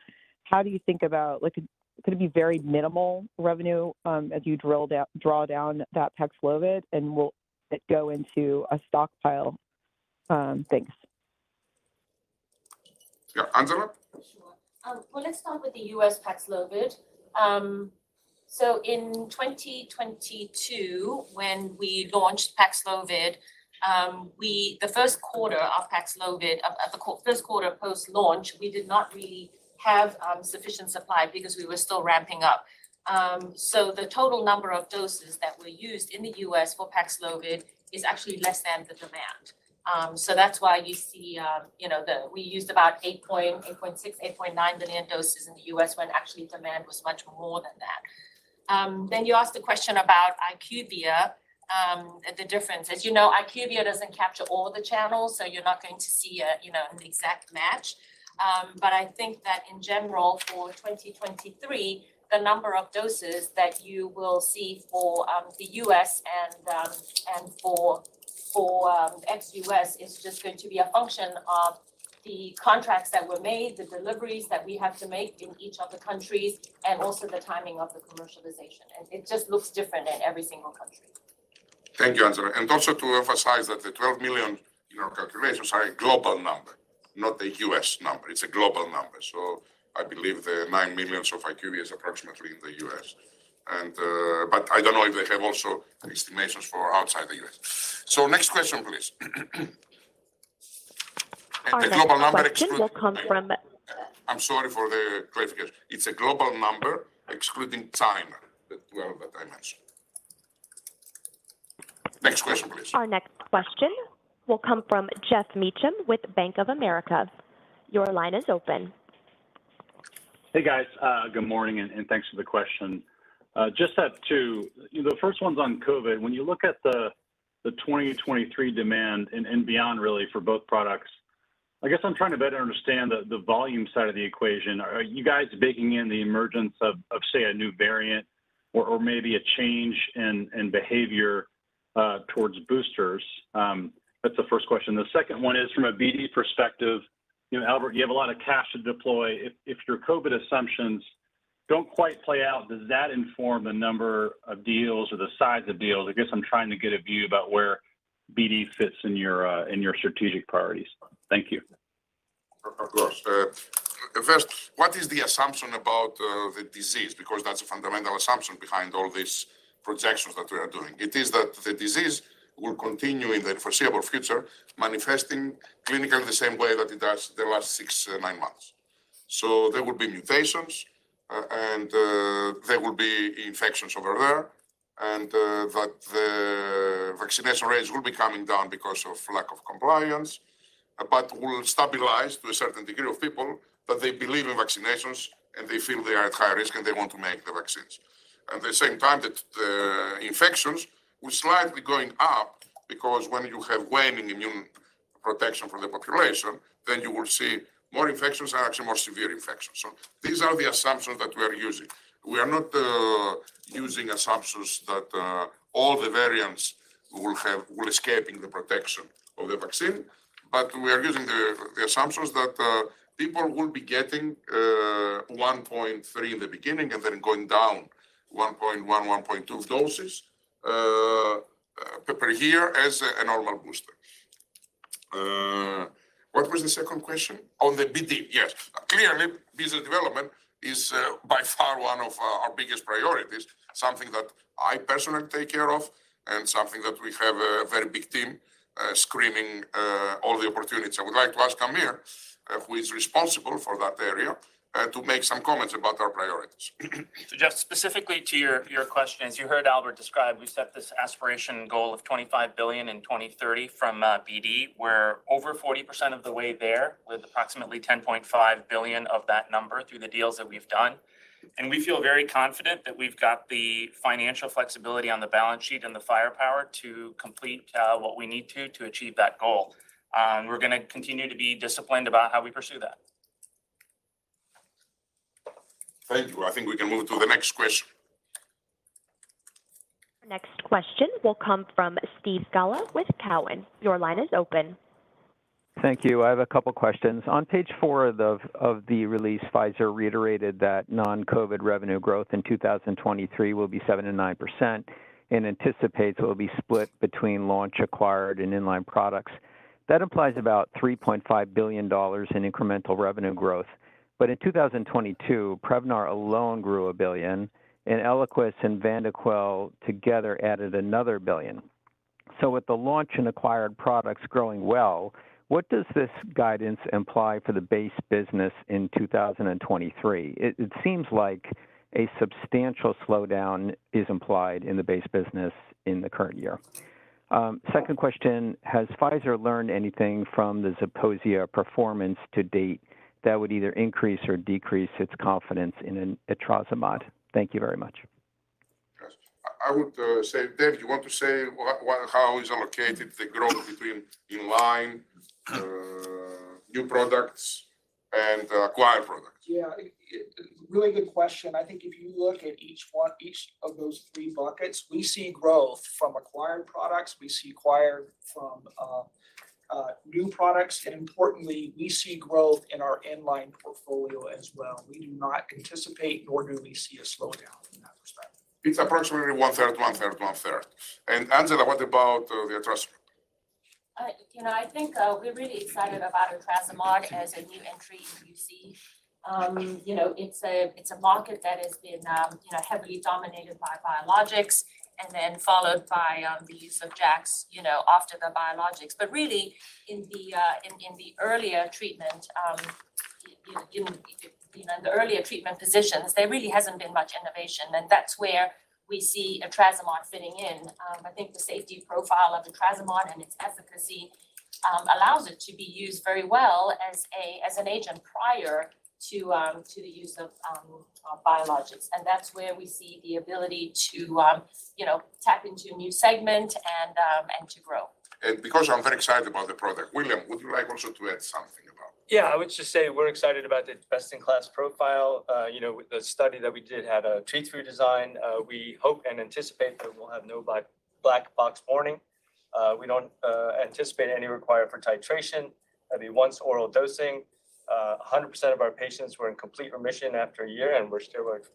How do you think about like, could it be very minimal revenue as you draw down that Paxlovid, and will it go into a stockpile? Thanks. Yeah. Angela? Sure. Well, let's start with the U.S. Paxlovid. In 2022 when we launched Paxlovid, the first quarter of Paxlovid, of the first quarter post-launch, we did not really have sufficient supply because we were still ramping up. The total number of doses that were used in the U.S. for Paxlovid is actually less than the demand. That's why you see, you know, we used about 8.9 million doses in the U.S. when actually demand was much more than that. You asked a question about IQVIA, the difference. You know, IQVIA doesn't capture all the channels, so you're not going to see a, you know, an exact match. I think that in general, for 2023, the number of doses that you will see for the U.S. and for ex-U.S. is just going to be a function of the contracts that were made, the deliveries that we have to make in each of the countries, and also the timing of the commercialization. It just looks different in every single country. Thank you, Angela. Also to emphasize that the 12 million in our calculations are a global number, not a U.S. number. It's a global number. I believe the 9 million of IQVIA is approximately in the U.S. I don't know if they have also estimations for outside the U.S. Next question, please. The global number. Our next question will come from- I'm sorry for the clarification. It's a global number excluding China, the 12 that I mentioned. Next question, please. Our next question will come from Geoff Meacham with Bank of America. Your line is open. Hey, guys. Good morning, and thanks for the question. Just have two. The first one's on COVID. When you look at the 20-23 demand and beyond really for both products, I guess I'm trying to better understand the volume side of the equation. Are you guys baking in the emergence of, say, a new variant or maybe a change in behavior towards boosters? That's the first question. The second one is from a BD perspective. You know, Albert, you have a lot of cash to deploy. If your COVID assumptions don't quite play out, does that inform the number of deals or the size of deals? I guess I'm trying to get a view about where BD fits in your strategic priorities. Thank you. Of course. first, what is the assumption about the disease? Because that's a fundamental assumption behind all these projections that we are doing. It is that the disease will continue in the foreseeable future, manifesting clinically the same way that it has the last six, nine months. There will be mutations, and there will be infections over there, and that the vaccination rates will be coming down because of lack of compliance, but will stabilize to a certain degree of people, that they believe in vaccinations, and they feel they are at high risk, and they want to make the vaccines. At the same time, that the infections will slightly going up because when you have waning immune protection from the population, then you will see more infections are actually more severe infections. These are the assumptions that we are using. We are not using assumptions that all the variants will escaping the protection of the vaccine, but we are using the assumptions that people will be getting 1.3 in the beginning and then going down 1.1.2 doses per year as an annual booster. What was the second question? On the BD, yes. Clearly, business development is by far one of our biggest priorities, something that I personally take care of and something that we have a very big team screening all the opportunities. I would like to ask Aamir, who is responsible for that area, to make some comments about our priorities. Just specifically to your question, as you heard Albert describe, we set this aspiration goal of 25 billion in 2030 from BD. We're over 40% of the way there with approximately 10.5 billion of that number through the deals that we've done, and we feel very confident that we've got the financial flexibility on the balance sheet and the firepower to complete what we need to achieve that goal. We're gonna continue to be disciplined about how we pursue that. Thank you. I think we can move to the next question. Next question will come from Steve Scala with Cowen. Your line is open. Thank you. I have a couple questions. On page four of the release, Pfizer reiterated that non-COVID revenue growth in 2023 will be 7%-9% and anticipates it will be split between launch acquired and in-line products. That implies about $3.5 billion in incremental revenue growth. In 2022, Prevnar alone grew $1 billion, and Eliquis and Vyndaqel together added another $1 billion. With the launch and acquired products growing well, what does this guidance imply for the base business in 2023? It seems like a substantial slowdown is implied in the base business in the current year. Second question, has Pfizer learned anything from the Zeposia performance to date that would either increase or decrease its confidence in an etrasimod? Thank you very much. Yes. I would say, Dave, you want to say how is allocated the growth between in line, new products, and acquired products? Yeah, really good question. I think if you look at each one, each of those three buckets, we see growth from acquired products. We see acquired from new products. Importantly, we see growth in our in-line portfolio as well. We do not anticipate nor do we see a slowdown from that perspective. It's approximately one third, one third, one third. Angela, what about the etrasimod? You know, I think, we're really excited about etrasimod as a new entry in UC. You know, it's a, it's a market that has been, you know, heavily dominated by biologics and then followed by the use of JAKs, you know, after the biologics. Really, in the earlier treatment positions, there really hasn't been much innovation, and that's where we see etrasimod fitting in. I think the safety profile of etrasimod and its efficacy allows it to be used very well as a, as an agent prior to the use of biologics, and that's where we see the ability to, you know, tap into a new segment and to grow. Because I'm very excited about the product, William, would you like also to add something about it? Yeah, I would just say we're excited about the best-in-class profile. you know, the study that we did had a treat-through design. We hope and anticipate that we'll have no black box warning. We don't anticipate any requirement for titration. It'll be once oral dosing. 100% of our patients were in complete remission after a year, and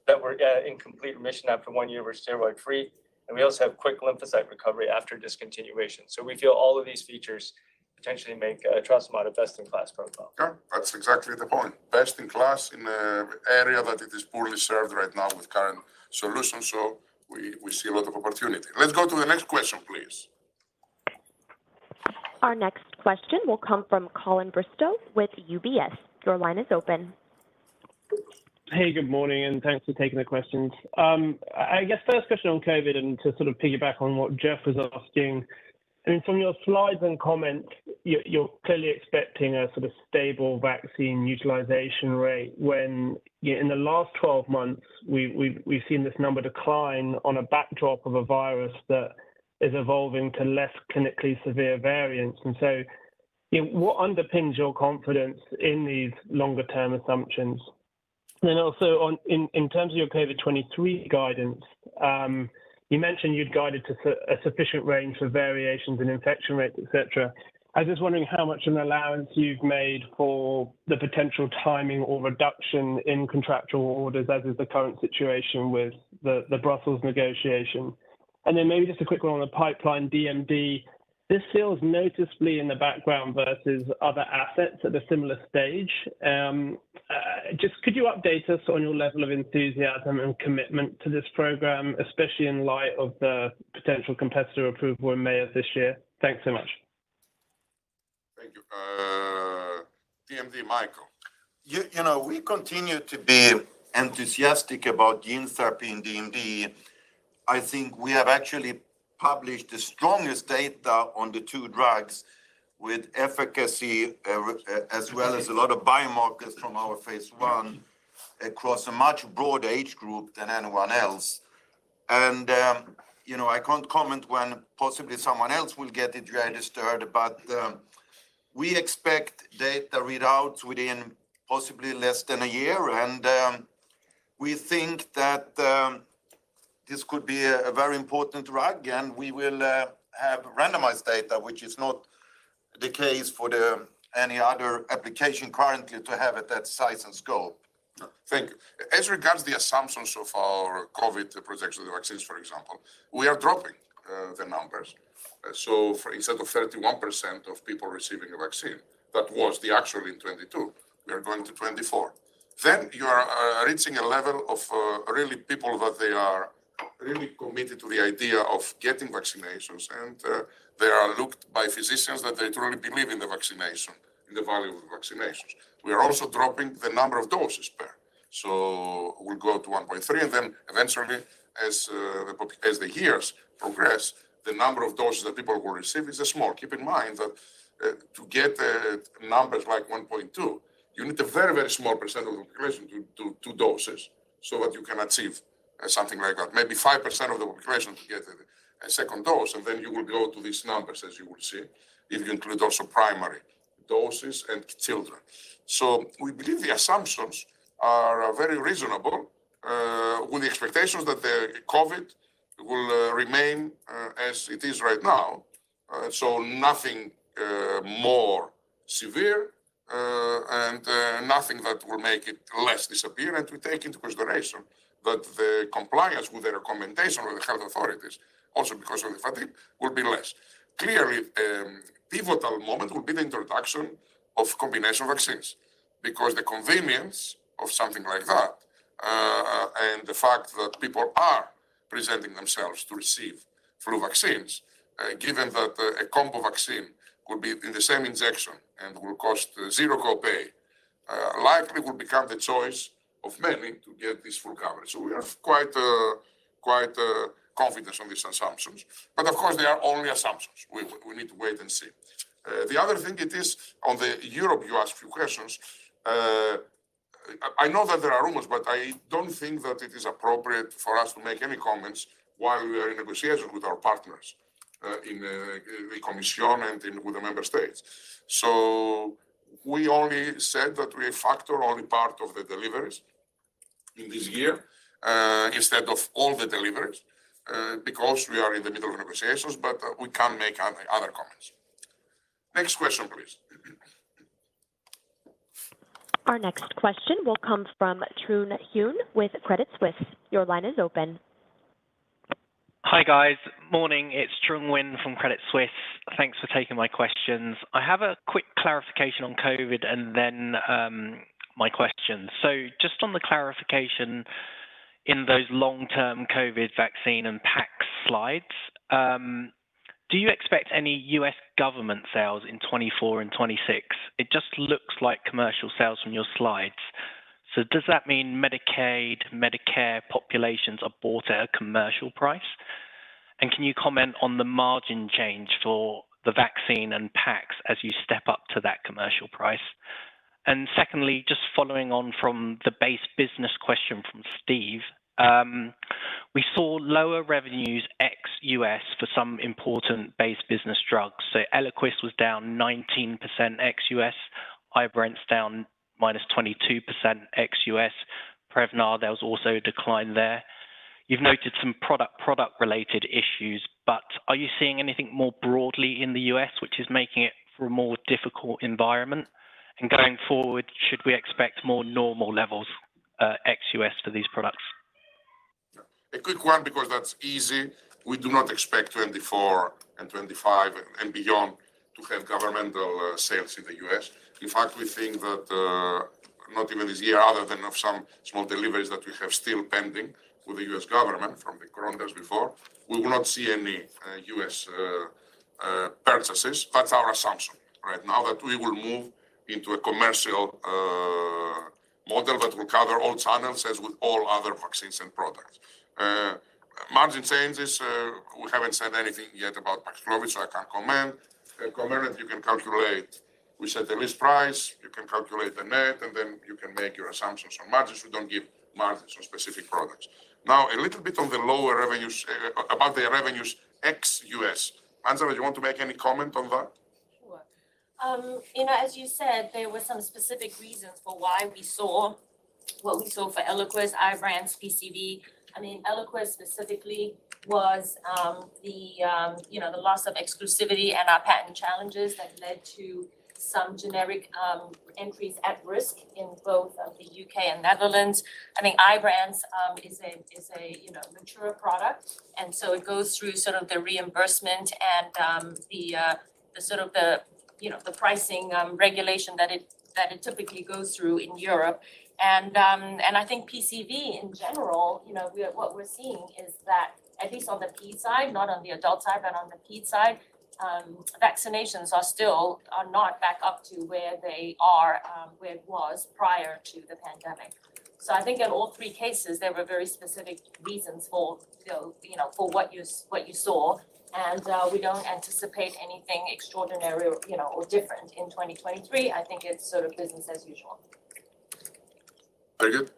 that were in complete remission after 1 year were steroid-free. We also have quick lymphocyte recovery after discontinuation. We feel all of these features potentially make etrasimod a best-in-class profile. Yeah, that's exactly the point. Best in class in a area that it is poorly served right now with current solutions. We see a lot of opportunity. Let's go to the next question, please. Our next question will come from Colin Bristow with UBS. Your line is open. Hey, good morning, thanks for taking the questions. I guess first question on COVID, to sort of piggyback on what Geoff was asking. I mean, from your slides and comments, you're clearly expecting a sort of stable vaccine utilization rate when in the last 12 months we've seen this number decline on a backdrop of a virus that is evolving to less clinically severe variants. What underpins your confidence in these longer-term assumptions? Also in terms of your COVID 2023 guidance, you mentioned you'd guided to a sufficient range for variations in infection rates, et cetera. I'm just wondering how much an allowance you've made for the potential timing or reduction in contractual orders, as is the current situation with the Brussels negotiation. Maybe just a quick one on the pipeline DMD. This feels noticeably in the background versus other assets at a similar stage. Just could you update us on your level of enthusiasm and commitment to this program, especially in light of the potential competitor approval in May of this year? Thanks so much. Thank you. DMD, Mikael. You know, we continue to be enthusiastic about gene therapy in DMD. I think we have actually published the strongest data on the two drugs with efficacy, as well as a lot of biomarkers from our phase one across a much broader age group than anyone else. You know, I can't comment when possibly someone else will get it registered, but we expect data readouts within possibly less than 1 year. We think that this could be a very important drug, and we will have randomized data, which is not the case for the any other application currently to have at that size and scope. Thank you. As regards the assumptions of our COVID protection vaccines, for example, we are dropping the numbers. For instead of 31% of people receiving a vaccine, that was the actual in 2022, we are going to 2024. You are reaching a level of really people that they are really committed to the idea of getting vaccinations, and they are looked by physicians that they truly believe in the vaccination, in the value of vaccinations. We are also dropping the number of doses per. We'll go to 1.3, and then eventually, as the years progress, the number of doses that people will receive is a small. Keep in mind that to get numbers like 1.2, you need a very, very small % of the population to do two doses, so that you can achieve something like that. Maybe 5% of the population to get a second dose, and then you will go to these numbers, as you will see, if you include also primary doses and children. We believe the assumptions are very reasonable with the expectations that COVID will remain as it is right now. Nothing more severe, and nothing that will make it less disappear, and to take into consideration that the compliance with the recommendation of the health authorities, also because of the fatigue, will be less. Clearly, a pivotal moment will be the introduction of combination vaccines. The convenience of something like that, and the fact that people are presenting themselves to receive flu vaccines, given that a combo vaccine will be in the same injection and will cost zero copay, likely will become the choice of many to get this full coverage. We are quite confident on these assumptions. Of course, they are only assumptions. We need to wait and see. The other thing it is on the Europe, you asked a few questions. I know that there are rumors, but I don't think that it is appropriate for us to make any comments while we are in negotiation with our partners, in the Commission and in with the member states. We only said that we factor only part of the deliveries in this year, instead of all the deliveries, because we are in the middle of negotiations, but we can't make another comments. Next question, please. Our next question will come from Truong Huynh with Credit Suisse. Your line is open. Hi, guys. Morning. It's Truong Huynh from Credit Suisse. Thanks for taking my questions. I have a quick clarification on COVID and then my question. Just on the clarification in those long-term COVID vaccine and PAX slides, do you expect any U.S. government sales in 2024 and 2026? It just looks like commercial sales on your slides. Does that mean Medicaid, Medicare populations are bought at a commercial price? Can you comment on the margin change for the vaccine and PAX as you step up to that commercial price? Secondly, just following on from the base business question from Steve Scala, we saw lower revenues ex-U.S. for some important base business drugs. Eliquis was down 19% ex-U.S. IBRANCE down -22% ex-U.S. Prevnar, there was also a decline there. You've noted some product-related issues, but are you seeing anything more broadly in the U.S. which is making it a more difficult environment? Going forward, should we expect more normal levels, ex-U.S. for these products? A quick one because that's easy. We do not expect 2024 and 2025 and beyond to have governmental sales in the U.S. In fact, we think that not even this year, other than of some small deliveries that we have still pending with the U.S. government from the Coronas before, we will not see any U.S. purchases. That's our assumption right now, that we will move into a commercial model that will cover all channels as with all other vaccines and products. Margin changes, we haven't said anything yet about Paxlovid. I can't comment. Comirnaty you can calculate. We set the list price, you can calculate the net. You can make your assumptions on margins. We don't give margins for specific products. A little bit about the revenues ex-U.S. Angela, you want to make any comment on that? Sure. you know, as you said, there were some specific reasons for why we saw what we saw for Eliquis, IBRANCE, PCV. I mean, Eliquis specifically was the, you know, the loss of exclusivity and our patent challenges that led to some generic entries at risk in both the U.K. and Netherlands. I mean, IBRANCE is a, you know, mature product, and so it goes through sort of the reimbursement and the sort of the, you know, the pricing regulation that it typically goes through in Europe. I think PCV in general, you know, what we're seeing is that at least on the P side, not on the adult side, but on the P side, vaccinations are still, are not back up to where they are, where it was prior to the pandemic. I think in all three cases, there were very specific reasons for, you know, for what you saw, and we don't anticipate anything extraordinary or, you know, or different in 2023. I think it's sort of business as usual. Very good.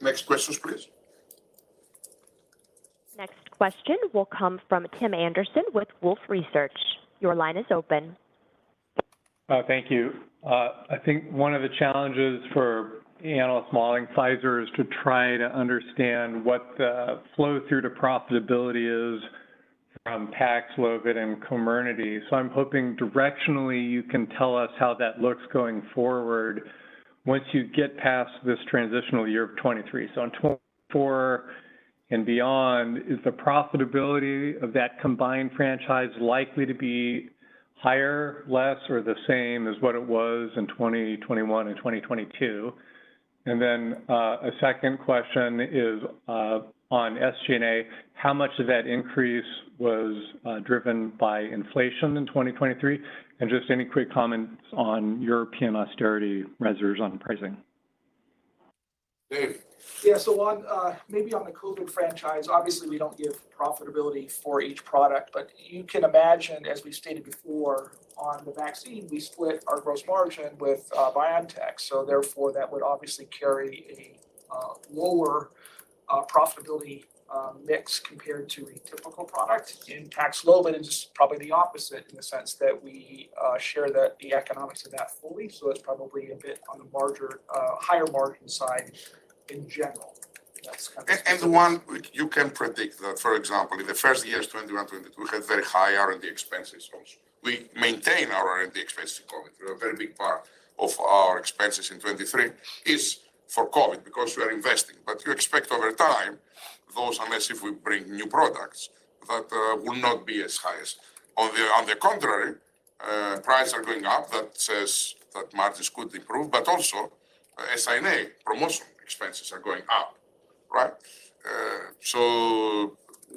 Next questions, please. Next question will come from Tim Anderson with Wolfe Research. Your line is open. Thank you. I think one of the challenges for analysts modeling Pfizer is to try to understand what the flow through to profitability is from Paxlovid and Comirnaty. I'm hoping directionally you can tell us how that looks going forward once you get past this transitional year of 2023. On 2024 and beyond, is the profitability of that combined franchise likely to be higher, less, or the same as what it was in 2021 and 2022? A second question is on SG&A. How much of that increase was driven by inflation in 2023? Just any quick comments on European austerity measures on pricing. Dave. Yeah. On, maybe on the COVID franchise, obviously, we don't give profitability for each product. You can imagine, as we stated before on the vaccine, we split our gross margin with BioNTech, therefore that would obviously carry a lower profitability mix compared to a typical product. In Paxlovid, it is probably the opposite in the sense that we share the economics of that fully. It's probably a bit on the larger, higher margin side in general. You can predict that, for example, in the first years, 2021, 2022, we had very high R&D expenses also. We maintain our R&D expense to COVID. A very big part of our expenses in 2023 is for COVID, because we are investing. You expect over time, those, unless if we bring new products, that will not be as high as. On the contrary, prices are going up. That says that margins could improve, but also SI&A, promotional expenses are going up, right?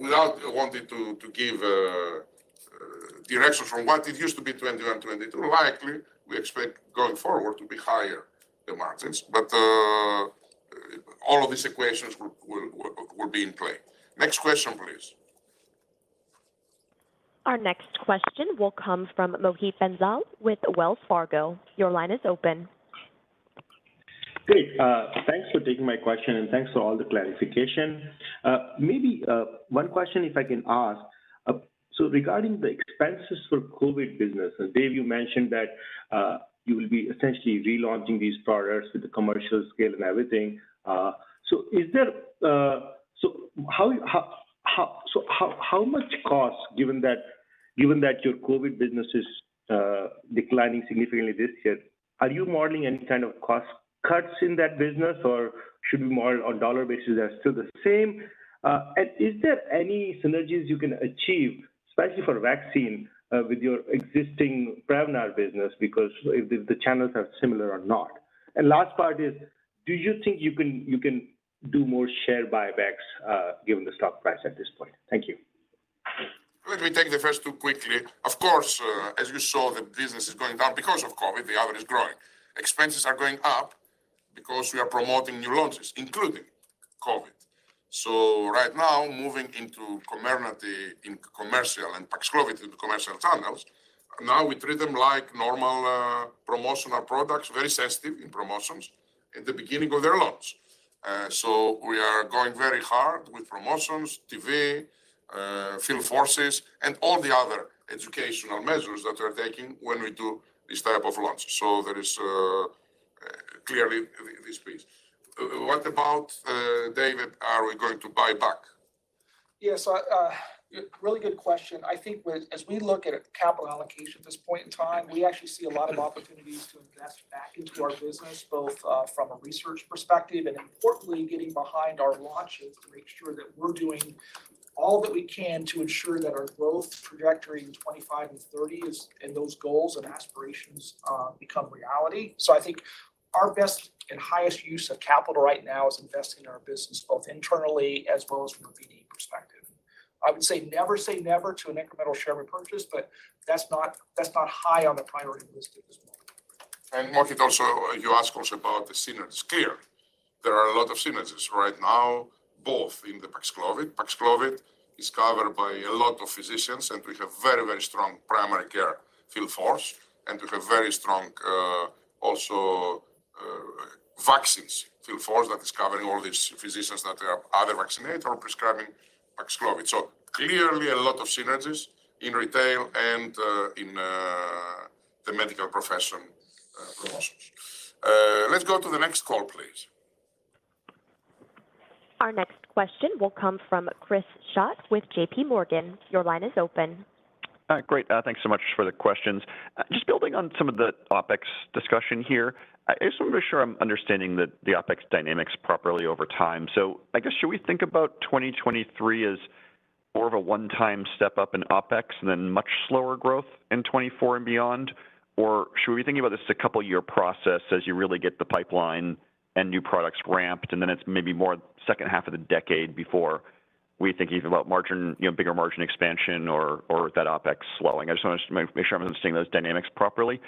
Without wanting to give a direction from what it used to be 2021, 2022, likely we expect going forward to be higher the margins. All of these equations will be in play. Next question, please. Our next question will come from Mohit Bansal with Wells Fargo. Your line is open. Great. Thanks for taking my question, and thanks for all the clarification. Maybe one question if I can ask. Regarding the expenses for COVID business, Dave, you mentioned that you will be essentially relaunching these products with the commercial scale and everything. How much cost, given that your COVID business is declining significantly this year? Are you modeling any kind of cost cuts in that business, or should we model on dollar basis as still the same? Is there any synergies you can achieve, especially for vaccine with your existing Prevnar business? Because if the channels are similar or not. Last part is, do you think you can do more share buybacks given the stock price at this point? Thank you. Let me take the first two quickly. Of course, as you saw, the business is going down because of COVID. The other is growing. Expenses are going up because we are promoting new launches, including COVID. Right now, moving into Comirnaty in commercial and Paxlovid into commercial channels. Now we treat them like normal promotional products, very sensitive in promotions at the beginning of their launch. We are going very hard with promotions, TV, field forces, and all the other educational measures that we're taking when we do this type of launch. There is clearly this piece. What about David, are we going to buy back? Really good question. As we look at capital allocation at this point in time, we actually see a lot of opportunities to invest back into our business, both from a research perspective and importantly, getting behind our launches to make sure that we're doing all that we can to ensure that our growth trajectory in 25 and 30 is, and those goals and aspirations become reality. I think our best and highest use of capital right now is investing in our business, both internally as well as from a BD perspective. I would say never say never to an incremental share repurchase, but that's not high on the priority list at this point. Mark, it also, you ask also about the synergies. Clear, there are a lot of synergies right now, both in the Paxlovid. Paxlovid is covered by a lot of physicians, and we have very, very strong primary care field force, and we have very strong, also, vaccines field force that is covering all these physicians that are either vaccinate or prescribing Paxlovid. Clearly a lot of synergies in retail and, in, the medical profession, professionals. Let's go to the next call, please. Our next question will come from Chris Schott with JP Morgan. Your line is open. Great. Thanks so much for the questions. Just building on some of the OpEx discussion here. I just wanna make sure I'm understanding the OpEx dynamics properly over time. I guess, should we think about 2023 as more of a one-time step up in OpEx than much slower growth in 2024 and beyond, or should we be thinking about this as a couple year process as you really get the pipeline and new products ramped, and then it's maybe more second half of the decade before we think either about margin, you know, bigger margin expansion or that OpEx swelling? I just wanna make sure I'm understanding those dynamics properly.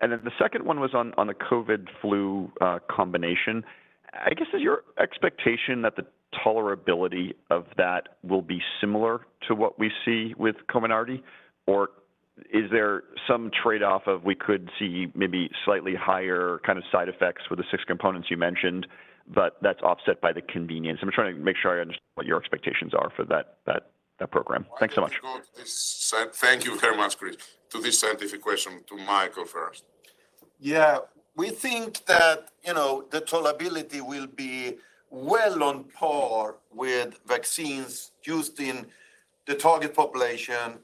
The second one was on the COVID flu combination. I guess, is your expectation that the tolerability of that will be similar to what we see with Comirnaty? Is there some trade-off of we could see maybe slightly higher kind of side effects with the 6 components you mentioned, but that's offset by the convenience? I'm trying to make sure I understand what your expectations are for that program. Thanks so much. Why don't you go this. Thank you very much, Chris. To this scientific question to Mikael first. We think that, you know, the tolerability will be well on par with vaccines used in the target population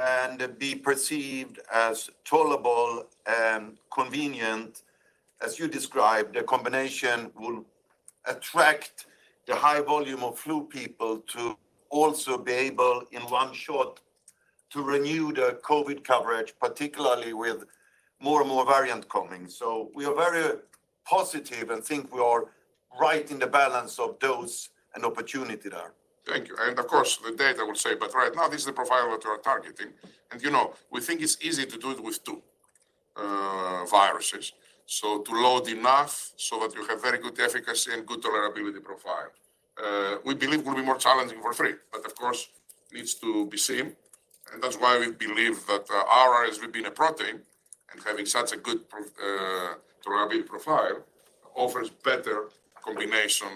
and be perceived as tolerable and convenient. As you described, the combination will attract the high volume of flu people to also be able, in one shot, to renew the COVID coverage, particularly with more and more variant coming. We are very positive and think we are right in the balance of dose and opportunity there. Thank you. Of course, the data will say, but right now, this is the profile that we're targeting. You know, we think it's easy to do it with two viruses. To load enough so that you have very good efficacy and good tolerability profile. We believe will be more challenging for three, but of course needs to be seen, and that's why we believe that RSV being a protein and having such a good tolerability profile offers better combination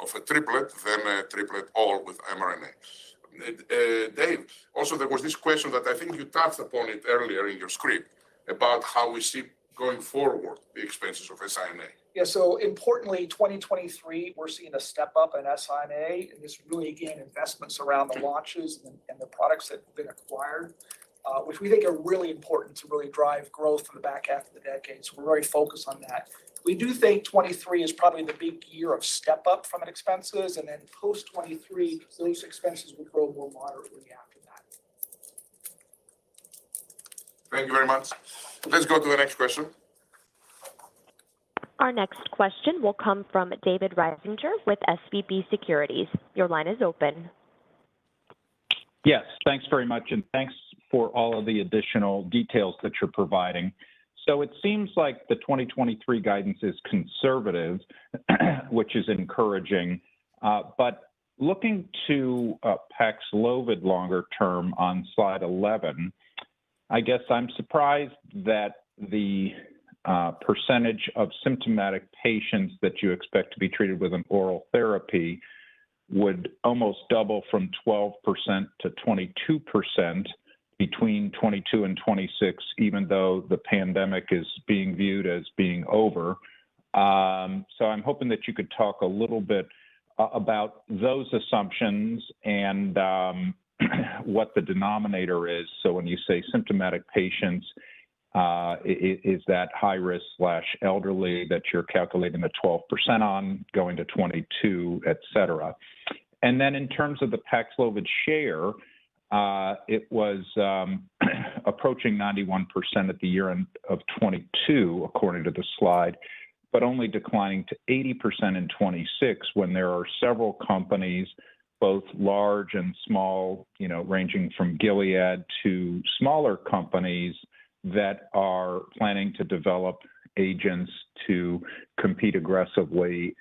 of a triplet than a triplet all with mRNA. Dave, also there was this question that I think you touched upon it earlier in your script about how we see going forward the expenses of mRNA. Yeah. Importantly, 2023, we're seeing a step up in mRNA, and it's really, again, investments around the launches and the products that have been acquired, which we think are really important to really drive growth in the back half of the decade. We're very focused on that. We do think 2023 is probably the big year of step up from an expenses. Post 2023, beliefs expenses will grow more moderately after that. Thank you very much. Let's go to the next question. Our next question will come from David Risinger with SVB Securities. Your line is open. Thanks very much, and thanks for all of the additional details that you're providing. It seems like the 2023 guidance is conservative, which is encouraging. Looking to Paxlovid longer term on slide 11, I guess I'm surprised that the percentage of symptomatic patients that you expect to be treated with an oral therapy would almost double from 12% to 22% between 2022 and 2026, even though the pandemic is being viewed as being over. I'm hoping that you could talk a little bit about those assumptions and what the denominator is. When you say symptomatic patients, is that high-risk/elderly that you're calculating the 12% on going to 22, et cetera? In terms of the Paxlovid share, it was approaching 91% at the year end of 2022 according to the slide, but only declining to 80% in 2026 when there are several companies, both large and small, you know, ranging from Gilead to smaller companies that are planning to develop agents to compete aggressively.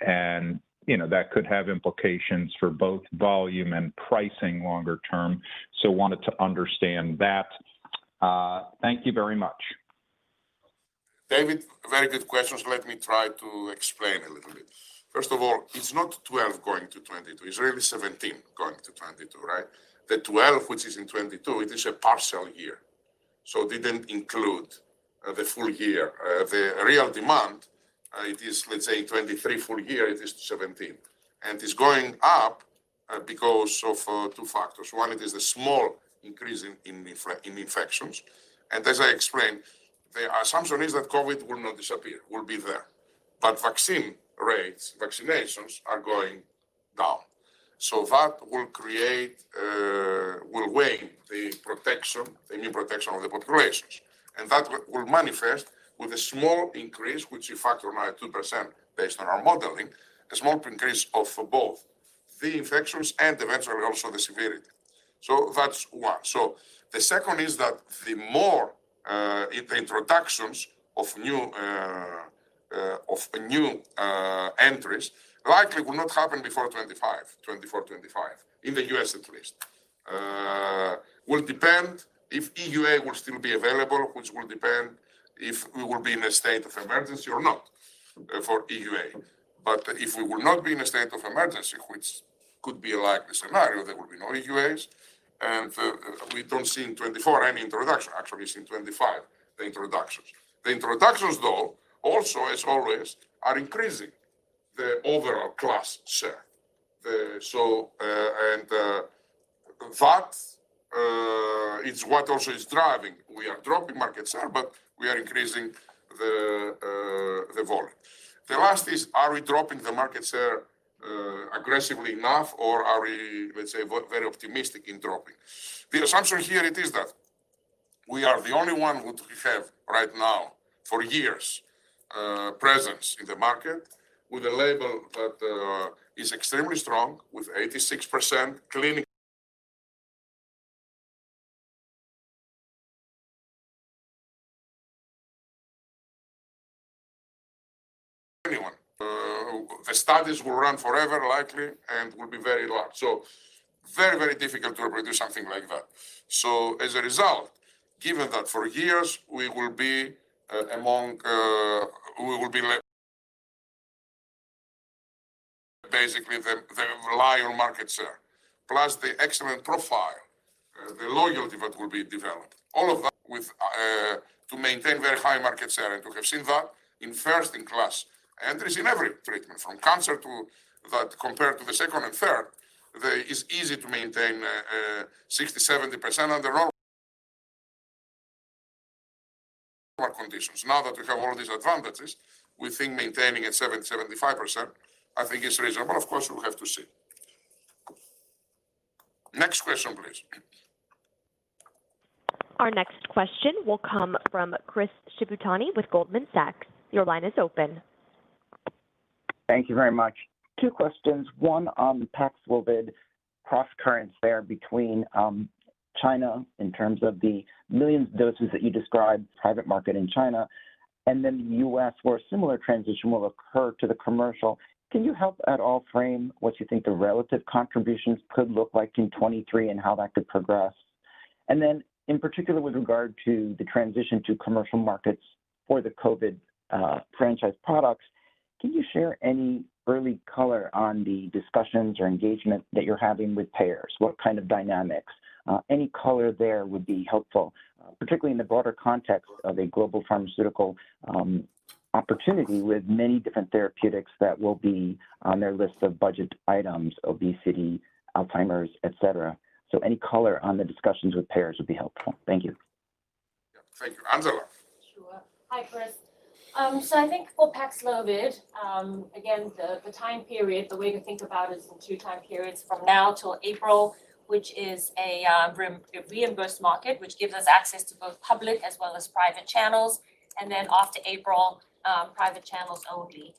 You know, that could have implications for both volume and pricing longer term. Wanted to understand that. Thank you very much. David, very good questions. Let me try to explain a little bit. First of all, it's not 12 going to 22. It's really 17 going to 22, right? The 12, which is in 22, it is a partial year. It didn't include the full year. The real demand, it is, let's say, 23 full year, it is 17. It's going up because of 2 factors. 1, it is a small increase in infections. As I explained, the assumption is that COVID will not disappear, will be there. Vaccine rates, vaccinations are going down. That will create, will weigh the protection, the new protection of the populations. That will manifest with a small increase, which we factor in at 2% based on our modeling, a small increase for both the infections and eventually also the severity. That's one. The second is that the more the introductions of new entries likely will not happen before 2025, 2024, 2025, in the U.S. at least. Will depend if EUA will still be available, which will depend if we will be in a state of emergency or not for EUA. If we will not be in a state of emergency, which could be a likely scenario, there will be no EUAs, and we don't see in 2024 any introduction. Actually, it's in 2025, the introductions. The introductions, though, also, as always, are increasing the overall class share. That is what also is driving. We are dropping market share, we are increasing the volume. The last is, are we dropping the market share aggressively enough or are we, let's say, very optimistic in dropping? The assumption here it is that we are the only one who we have right now for years, presence in the market with a label that is extremely strong with 86% clinic... anyone. The studies will run forever, likely, and will be very large. Very, very difficult to reproduce something like that. As a result, given that for years we will be among, we will be basically the reliable market share. Plus the excellent profile, the loyalty that will be developed. All of that with to maintain very high market share. We have seen that in first in class entries in every treatment, from cancer to... that compared to the second and third, it's easy to maintain, 60%, 70% on the market conditions. Now that we have all these advantages, we think maintaining at 70%, 75%, I think it's reasonable. Of course, we'll have to see. Next question, please. Our next question will come from Chris Shibutani with Goldman Sachs. Your line is open. Thank you very much. Two questions. One on Paxlovid cross-currents there between China in terms of the 1 million doses that you described, private market in China, then U.S., where a similar transition will occur to the commercial. Can you help at all frame what you think the relative contributions could look like in 2023 and how that could progress? In particular with regard to the transition to commercial markets for the COVID franchise products, can you share any early color on the discussions or engagement that you're having with payers? What kind of dynamics? Any color there would be helpful, particularly in the broader context of a global pharmaceutical opportunity with many different therapeutics that will be on their list of budget items, obesity, Alzheimer's, et cetera. Any color on the discussions with payers would be helpful. Thank you. Yeah. Thank you. Angela. Sure. Hi, Chris. So I think for Paxlovid, again, the time period, the way to think about is in two time periods from now till April, which is a reimbursed market, which gives us access to both public as well as private channels, and then after April, private channels only.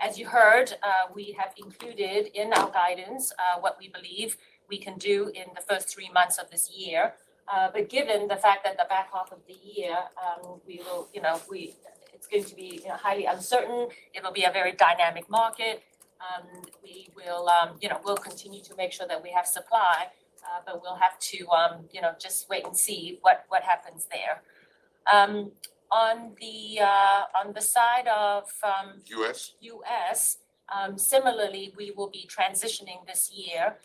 As you heard, we have included in our guidance, what we believe we can do in the first three months of this year. Given the fact that the back half of the year, we will, you know, it's going to be, you know, highly uncertain. It'll be a very dynamic market. We will, you know, we'll continue to make sure that we have supply, but we'll have to, you know, just wait and see what happens there. on the side of US. -US, similarly, we will be transitioning this year.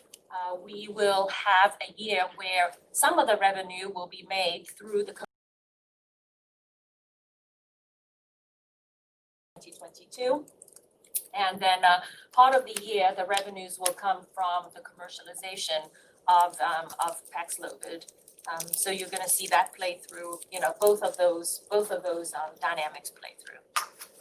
We will have a year where some of the revenue will be made through the 2022. Then, part of the year, the revenues will come from the commercialization of Paxlovid. You're gonna see that play through, you know, both of those, both of those dynamics play through.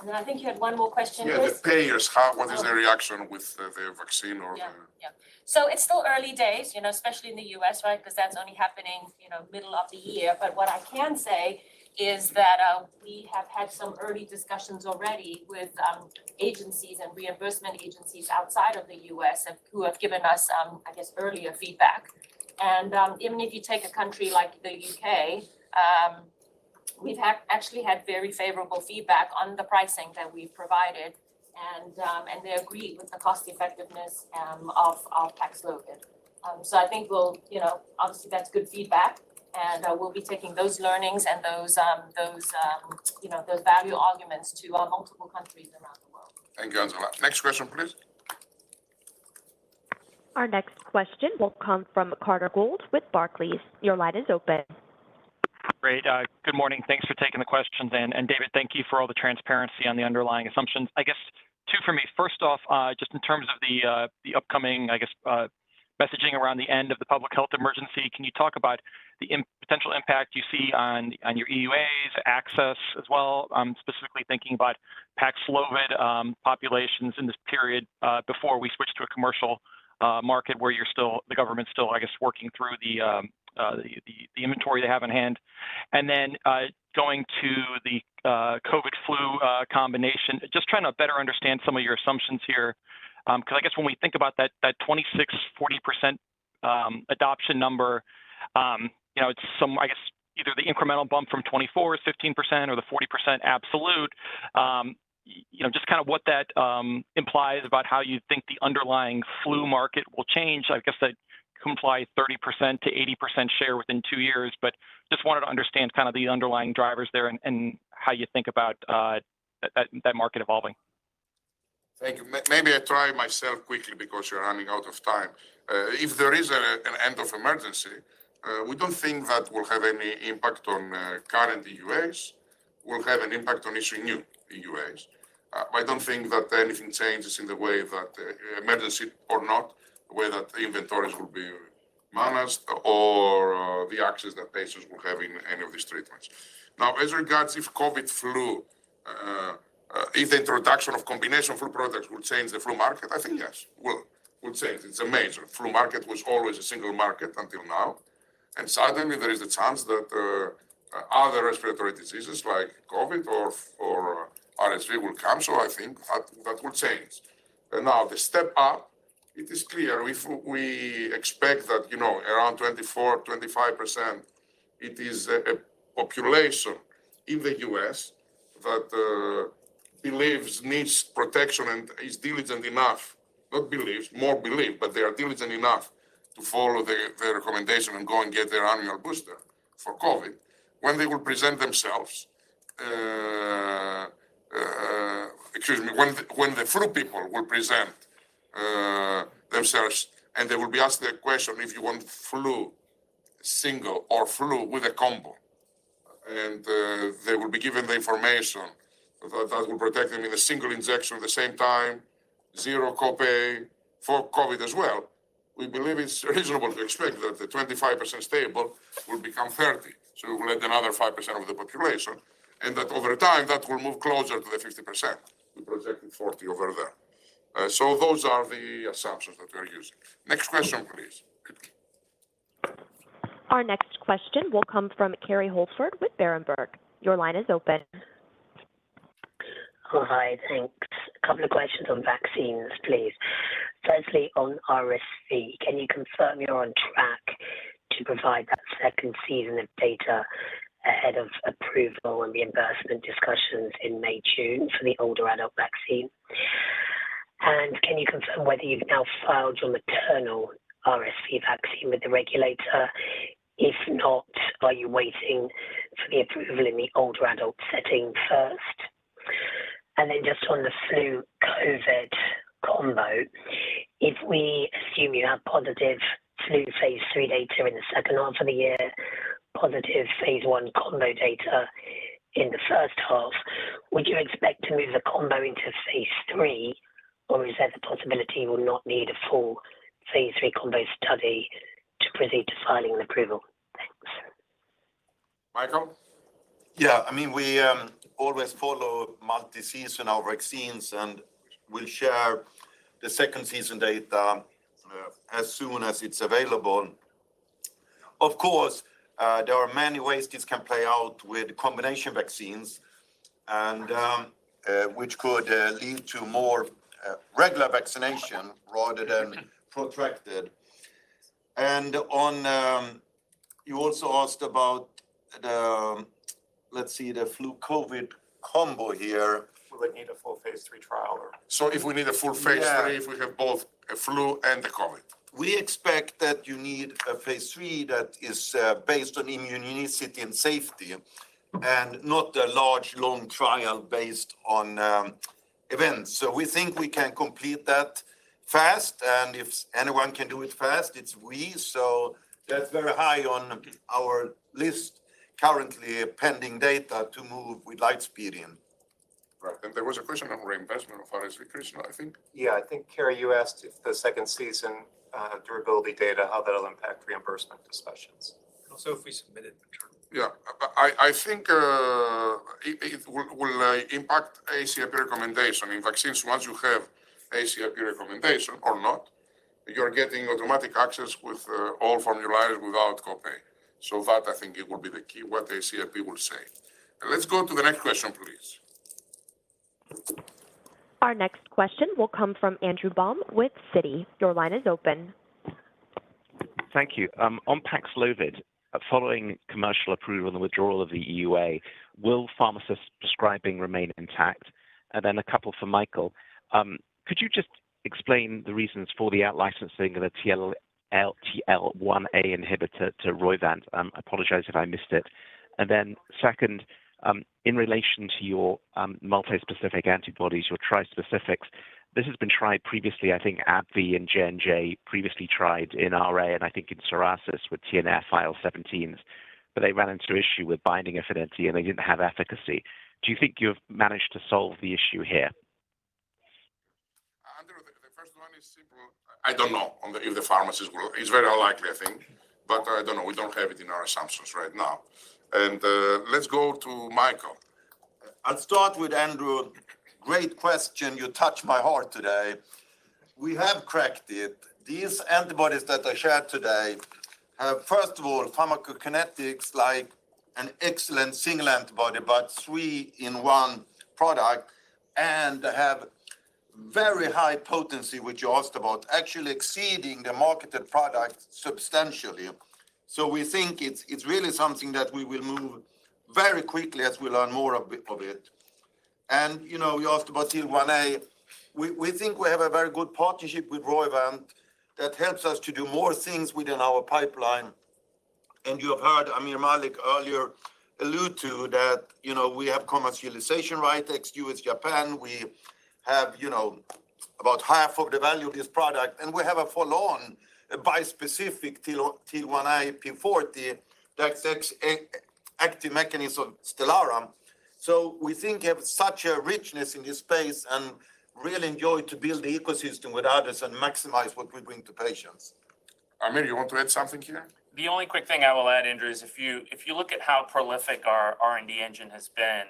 Then I think you had 1 more question. Yeah. The payers, what is their reaction with the vaccine? Yeah. Yeah. It's still early days, you know, especially in the U.S., right? 'Cause that's only happening, you know, middle of the year. What I can say is that we have had some early discussions already with agencies and reimbursement agencies outside of the U.S. who have given us, I guess, earlier feedback. Even if you take a country like the U.K., we've actually had very favorable feedback on the pricing that we've provided. They agreed with the cost effectiveness of Paxlovid. I think we'll, you know, obviously, that's good feedback, and we'll be taking those learnings and those, you know, those value arguments to multiple countries around the world. Thank you, Angela. Next question, please. Our next question will come from Carter Gould with Barclays. Your line is open. Great. Good morning. Thanks for taking the questions. David, thank you for all the transparency on the underlying assumptions. I guess two for me. First off, just in terms of the upcoming, I guess, messaging around the end of the public health emergency, can you talk about the potential impact you see on your EUAs, access as well? I'm specifically thinking about Paxlovid, populations in this period, before we switch to a commercial market where the government's still, I guess, working through the inventory they have in hand. Then, going to the COVID flu combination, just trying to better understand some of your assumptions here. 'Cause I guess when we think about that 26%, 40% adoption number, you know, it's some, I guess, either the incremental bump from 2024 is 15% or the 40% absolute. You know, just kind of what that implies about how you think the underlying flu market will change. I guess that complies 30%-80% share within 2 years, but just wanted to understand kind of the underlying drivers there and how you think about that market evolving. Thank you. Maybe I try myself quickly because you're running out of time. If there is an end of emergency, we don't think that will have any impact on current EUAs, will have an impact on issuing new EUAs. I don't think that anything changes in the way that emergency or not, the way that inventories will be managed or the access that patients will have in any of these treatments. Now, as regards if COVID flu, if the introduction of combination flu products will change the flu market, I think yes. Well, would say it's a major. Flu market was always a single market until now. Suddenly there is a chance that other respiratory diseases like COVID or RSV will come. I think that will change. Now the step up, it is clear if we expect that, you know, around 24%-25%, it is a population in the U.S. that believes needs protection and is diligent enough, not believes, more believe, but they are diligent enough to follow the recommendation and go and get their annual booster for COVID. When the flu people will present themselves, and they will be asked the question, if you want flu single or flu with a combo. They will be given the information that that will protect them in a single injection at the same time, 0 copay for COVID as well. We believe it's reasonable to expect that the 25% stable will become 30%. We'll add another 5% of the population, and that over time, that will move closer to the 50%. We projected 40 over there. Those are the assumptions that we are using. Next question, please. Our next question will come from Kerry Holford with Berenberg. Your line is open. Hi. Thanks. A couple of questions on vaccines, please. Firstly, on RSV, can you confirm you're on track to provide that second season of data ahead of approval and reimbursement discussions in May, June for the older adult vaccine? Can you confirm whether you've now filed your maternal RSV vaccine with the regulator? If not, are you waiting for the approval in the older adult setting first? Just on the flu COVID combo, if we assume you have positive flu phase three data in the second half of the year, positive phase one combo data in the first half, would you expect to move the combo into phase three, or is there the possibility you will not need a full phase three combo study to proceed to filing approval? Thanks. Mikael? Yeah. I mean, we always follow multi-seasonal vaccines. We'll share the second season data as soon as it's available. Of course, there are many ways this can play out with combination vaccines and which could lead to more regular vaccination rather than protracted. On... You also asked about the, let's see, the flu COVID combo here. Will it need a full phase three trial or? if we need a full phase three- Yeah -if we have both a flu and the COVID. We expect that you need a phase three that is based on immunogenicity and safety and not a large, long trial based on events. We think we can complete that fast. If anyone can do it fast, it's we. That's very high on our list currently, pending data to move with light speed in. Right. There was a question on reimbursement of RSV, Krishna, I think. Yeah. I think, Carey, you asked if the second season, durability data, how that'll impact reimbursement discussions. If we submitted material. Yeah. I think it will impact ACIP recommendation in vaccines. Once you have ACIP recommendation or not, you're getting automatic access with all formularies without copay. That I think it will be the key, what ACIP will say. Let's go to the next question, please. Our next question will come from Andrew Baum with Citi. Your line is open. Thank you. On Paxlovid, following commercial approval and the withdrawal of the EUA, will pharmacists prescribing remain intact? A couple for Mikael. Could you just explain the reasons for the out-licensing of the TL1A inhibitor to Roivant? Apologize if I missed it. Second, in relation to your multi-specific antibodies, your trispecifics, this has been tried previously, I think AbbVie and JNJ previously tried in RA and I think in psoriasis with TNF IL-17s, but they ran into issue with binding affinity and they didn't have efficacy. Do you think you've managed to solve the issue here? I don't know on the... If the pharmacist will. It's very unlikely, I think, but I don't know. We don't have it in our assumptions right now. Let's go to Mikael. I'll start with Andrew. Great question. You touched my heart today. We have cracked it. These antibodies that I shared today have, first of all, pharmacokinetics like an excellent single antibody, but three in one product, and have very high potency, which you asked about, actually exceeding the marketed product substantially. We think it's really something that we will move very quickly as we learn more of it. You know, you asked about TL1A. We think we have a very good partnership with Roivant that helps us to do more things within our pipeline. You have heard Aamir Malik earlier allude to that, you know, we have commercialization rights, ex-U.S., Japan. We have, you know, about half of the value of this product, and we have a follow-on bispecific T-TL1A p40 that takes an active mechanism Stelara. We think we have such a richness in this space and really enjoy to build the ecosystem with others and maximize what we bring to patients. Aamir, you want to add something here? The only quick thing I will add, Andrew, is if you look at how prolific our R&D engine has been,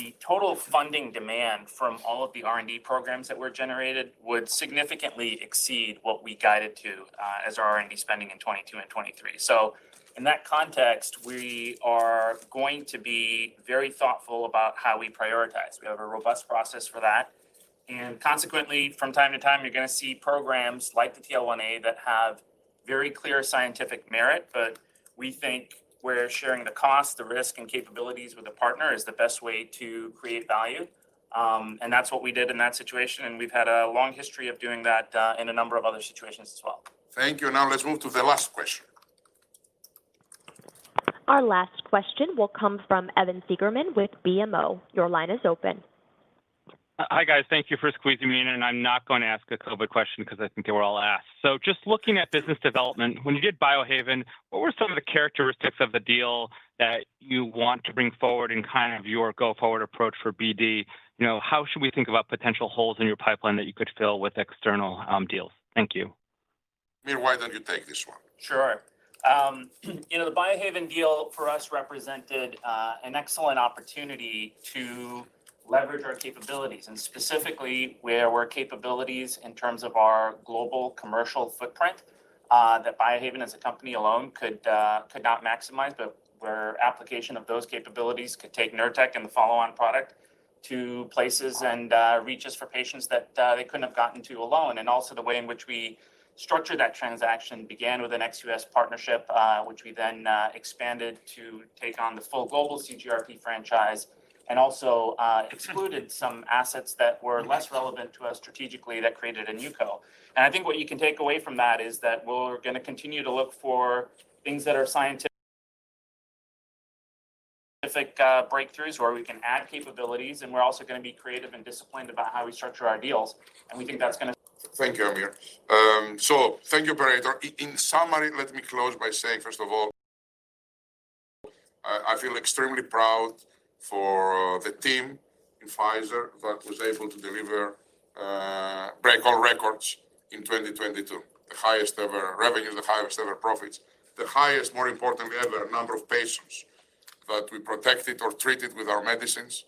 the total funding demand from all of the R&D programs that were generated would significantly exceed what we guided to as our R&D spending in 2022 and 2023. In that context, we are going to be very thoughtful about how we prioritize. We have a robust process for that. Consequently, from time to time, you're gonna see programs like the TL1A that have very clear scientific merit, but we think where sharing the cost, the risk, and capabilities with a partner is the best way to create value. And that's what we did in that situation, and we've had a long history of doing that in a number of other situations as well. Thank you. Now let's move to the last question. Our last question will come from Evan Seigerman with BMO. Your line is open. Hi, guys. Thank you for squeezing me in. I'm not gonna ask a COVID question because I think they were all asked. Just looking at business development, when you did Biohaven, what were some of the characteristics of the deal that you want to bring forward in kind of your go-forward approach for BD? You know, how should we think about potential holes in your pipeline that you could fill with external deals? Thank you. Aamir, why don't you take this one? Sure. you know, the Biohaven deal for us represented an excellent opportunity to leverage our capabilities, and specifically where our capabilities in terms of our global commercial footprint, that Biohaven as a company alone could not maximize, but where application of those capabilities could take Nurtec and the follow-on product to places and reaches for patients that they couldn't have gotten to alone. The way in which we structured that transaction began with an ex-U.S. partnership, which we then expanded to take on the full global CGRP franchise and also excluded some assets that were less relevant to us strategically that created a NewCo. I think what you can take away from that is that we're gonna continue to look for things that are scientific breakthroughs, where we can add capabilities, and we're also gonna be creative and disciplined about how we structure our deals. We think that's Thank you, Aamir. In summary, let me close by saying, first of all, I feel extremely proud for the team in Pfizer that was able to deliver, break all records in 2022. The highest ever revenue, the highest ever profits, the highest, more importantly, ever number of patients that we protected or treated with our medicines.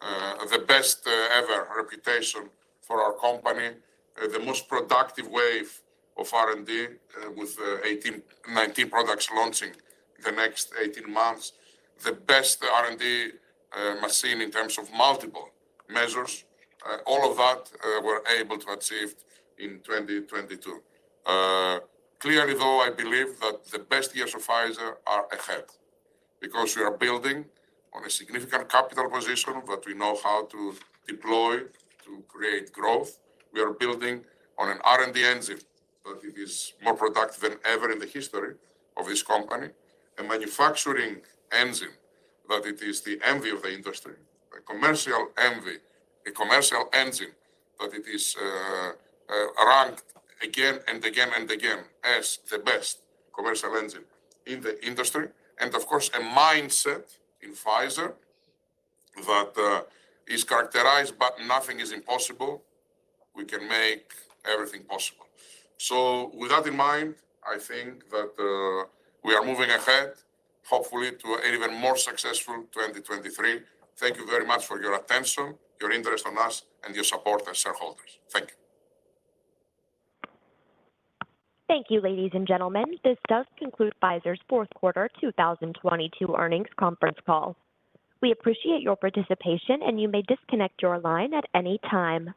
The best ever reputation for our company. The most productive wave of R&D with 18, 19 products launching the next 18 months. The best R&D machine in terms of multiple measures. All of that, we're able to achieve in 2022. Clearly, though, I believe that the best years of Pfizer are ahead because we are building on a significant capital position that we know how to deploy to create growth. We are building on an R&D engine that it is more productive than ever in the history of this company. A manufacturing engine that it is the envy of the industry. A commercial envy, a commercial engine that it is ranked again and again and again as the best commercial engine in the industry. Of course, a mindset in Pfizer that is characterized by nothing is impossible. We can make everything possible. With that in mind, I think that we are moving ahead, hopefully to an even more successful 2023. Thank you very much for your attention, your interest on us, and your support as shareholders. Thank you. Thank you, ladies and gentlemen. This does conclude Pfizer's fourth quarter 2022 earnings conference call. We appreciate your participation, and you may disconnect your line at any time.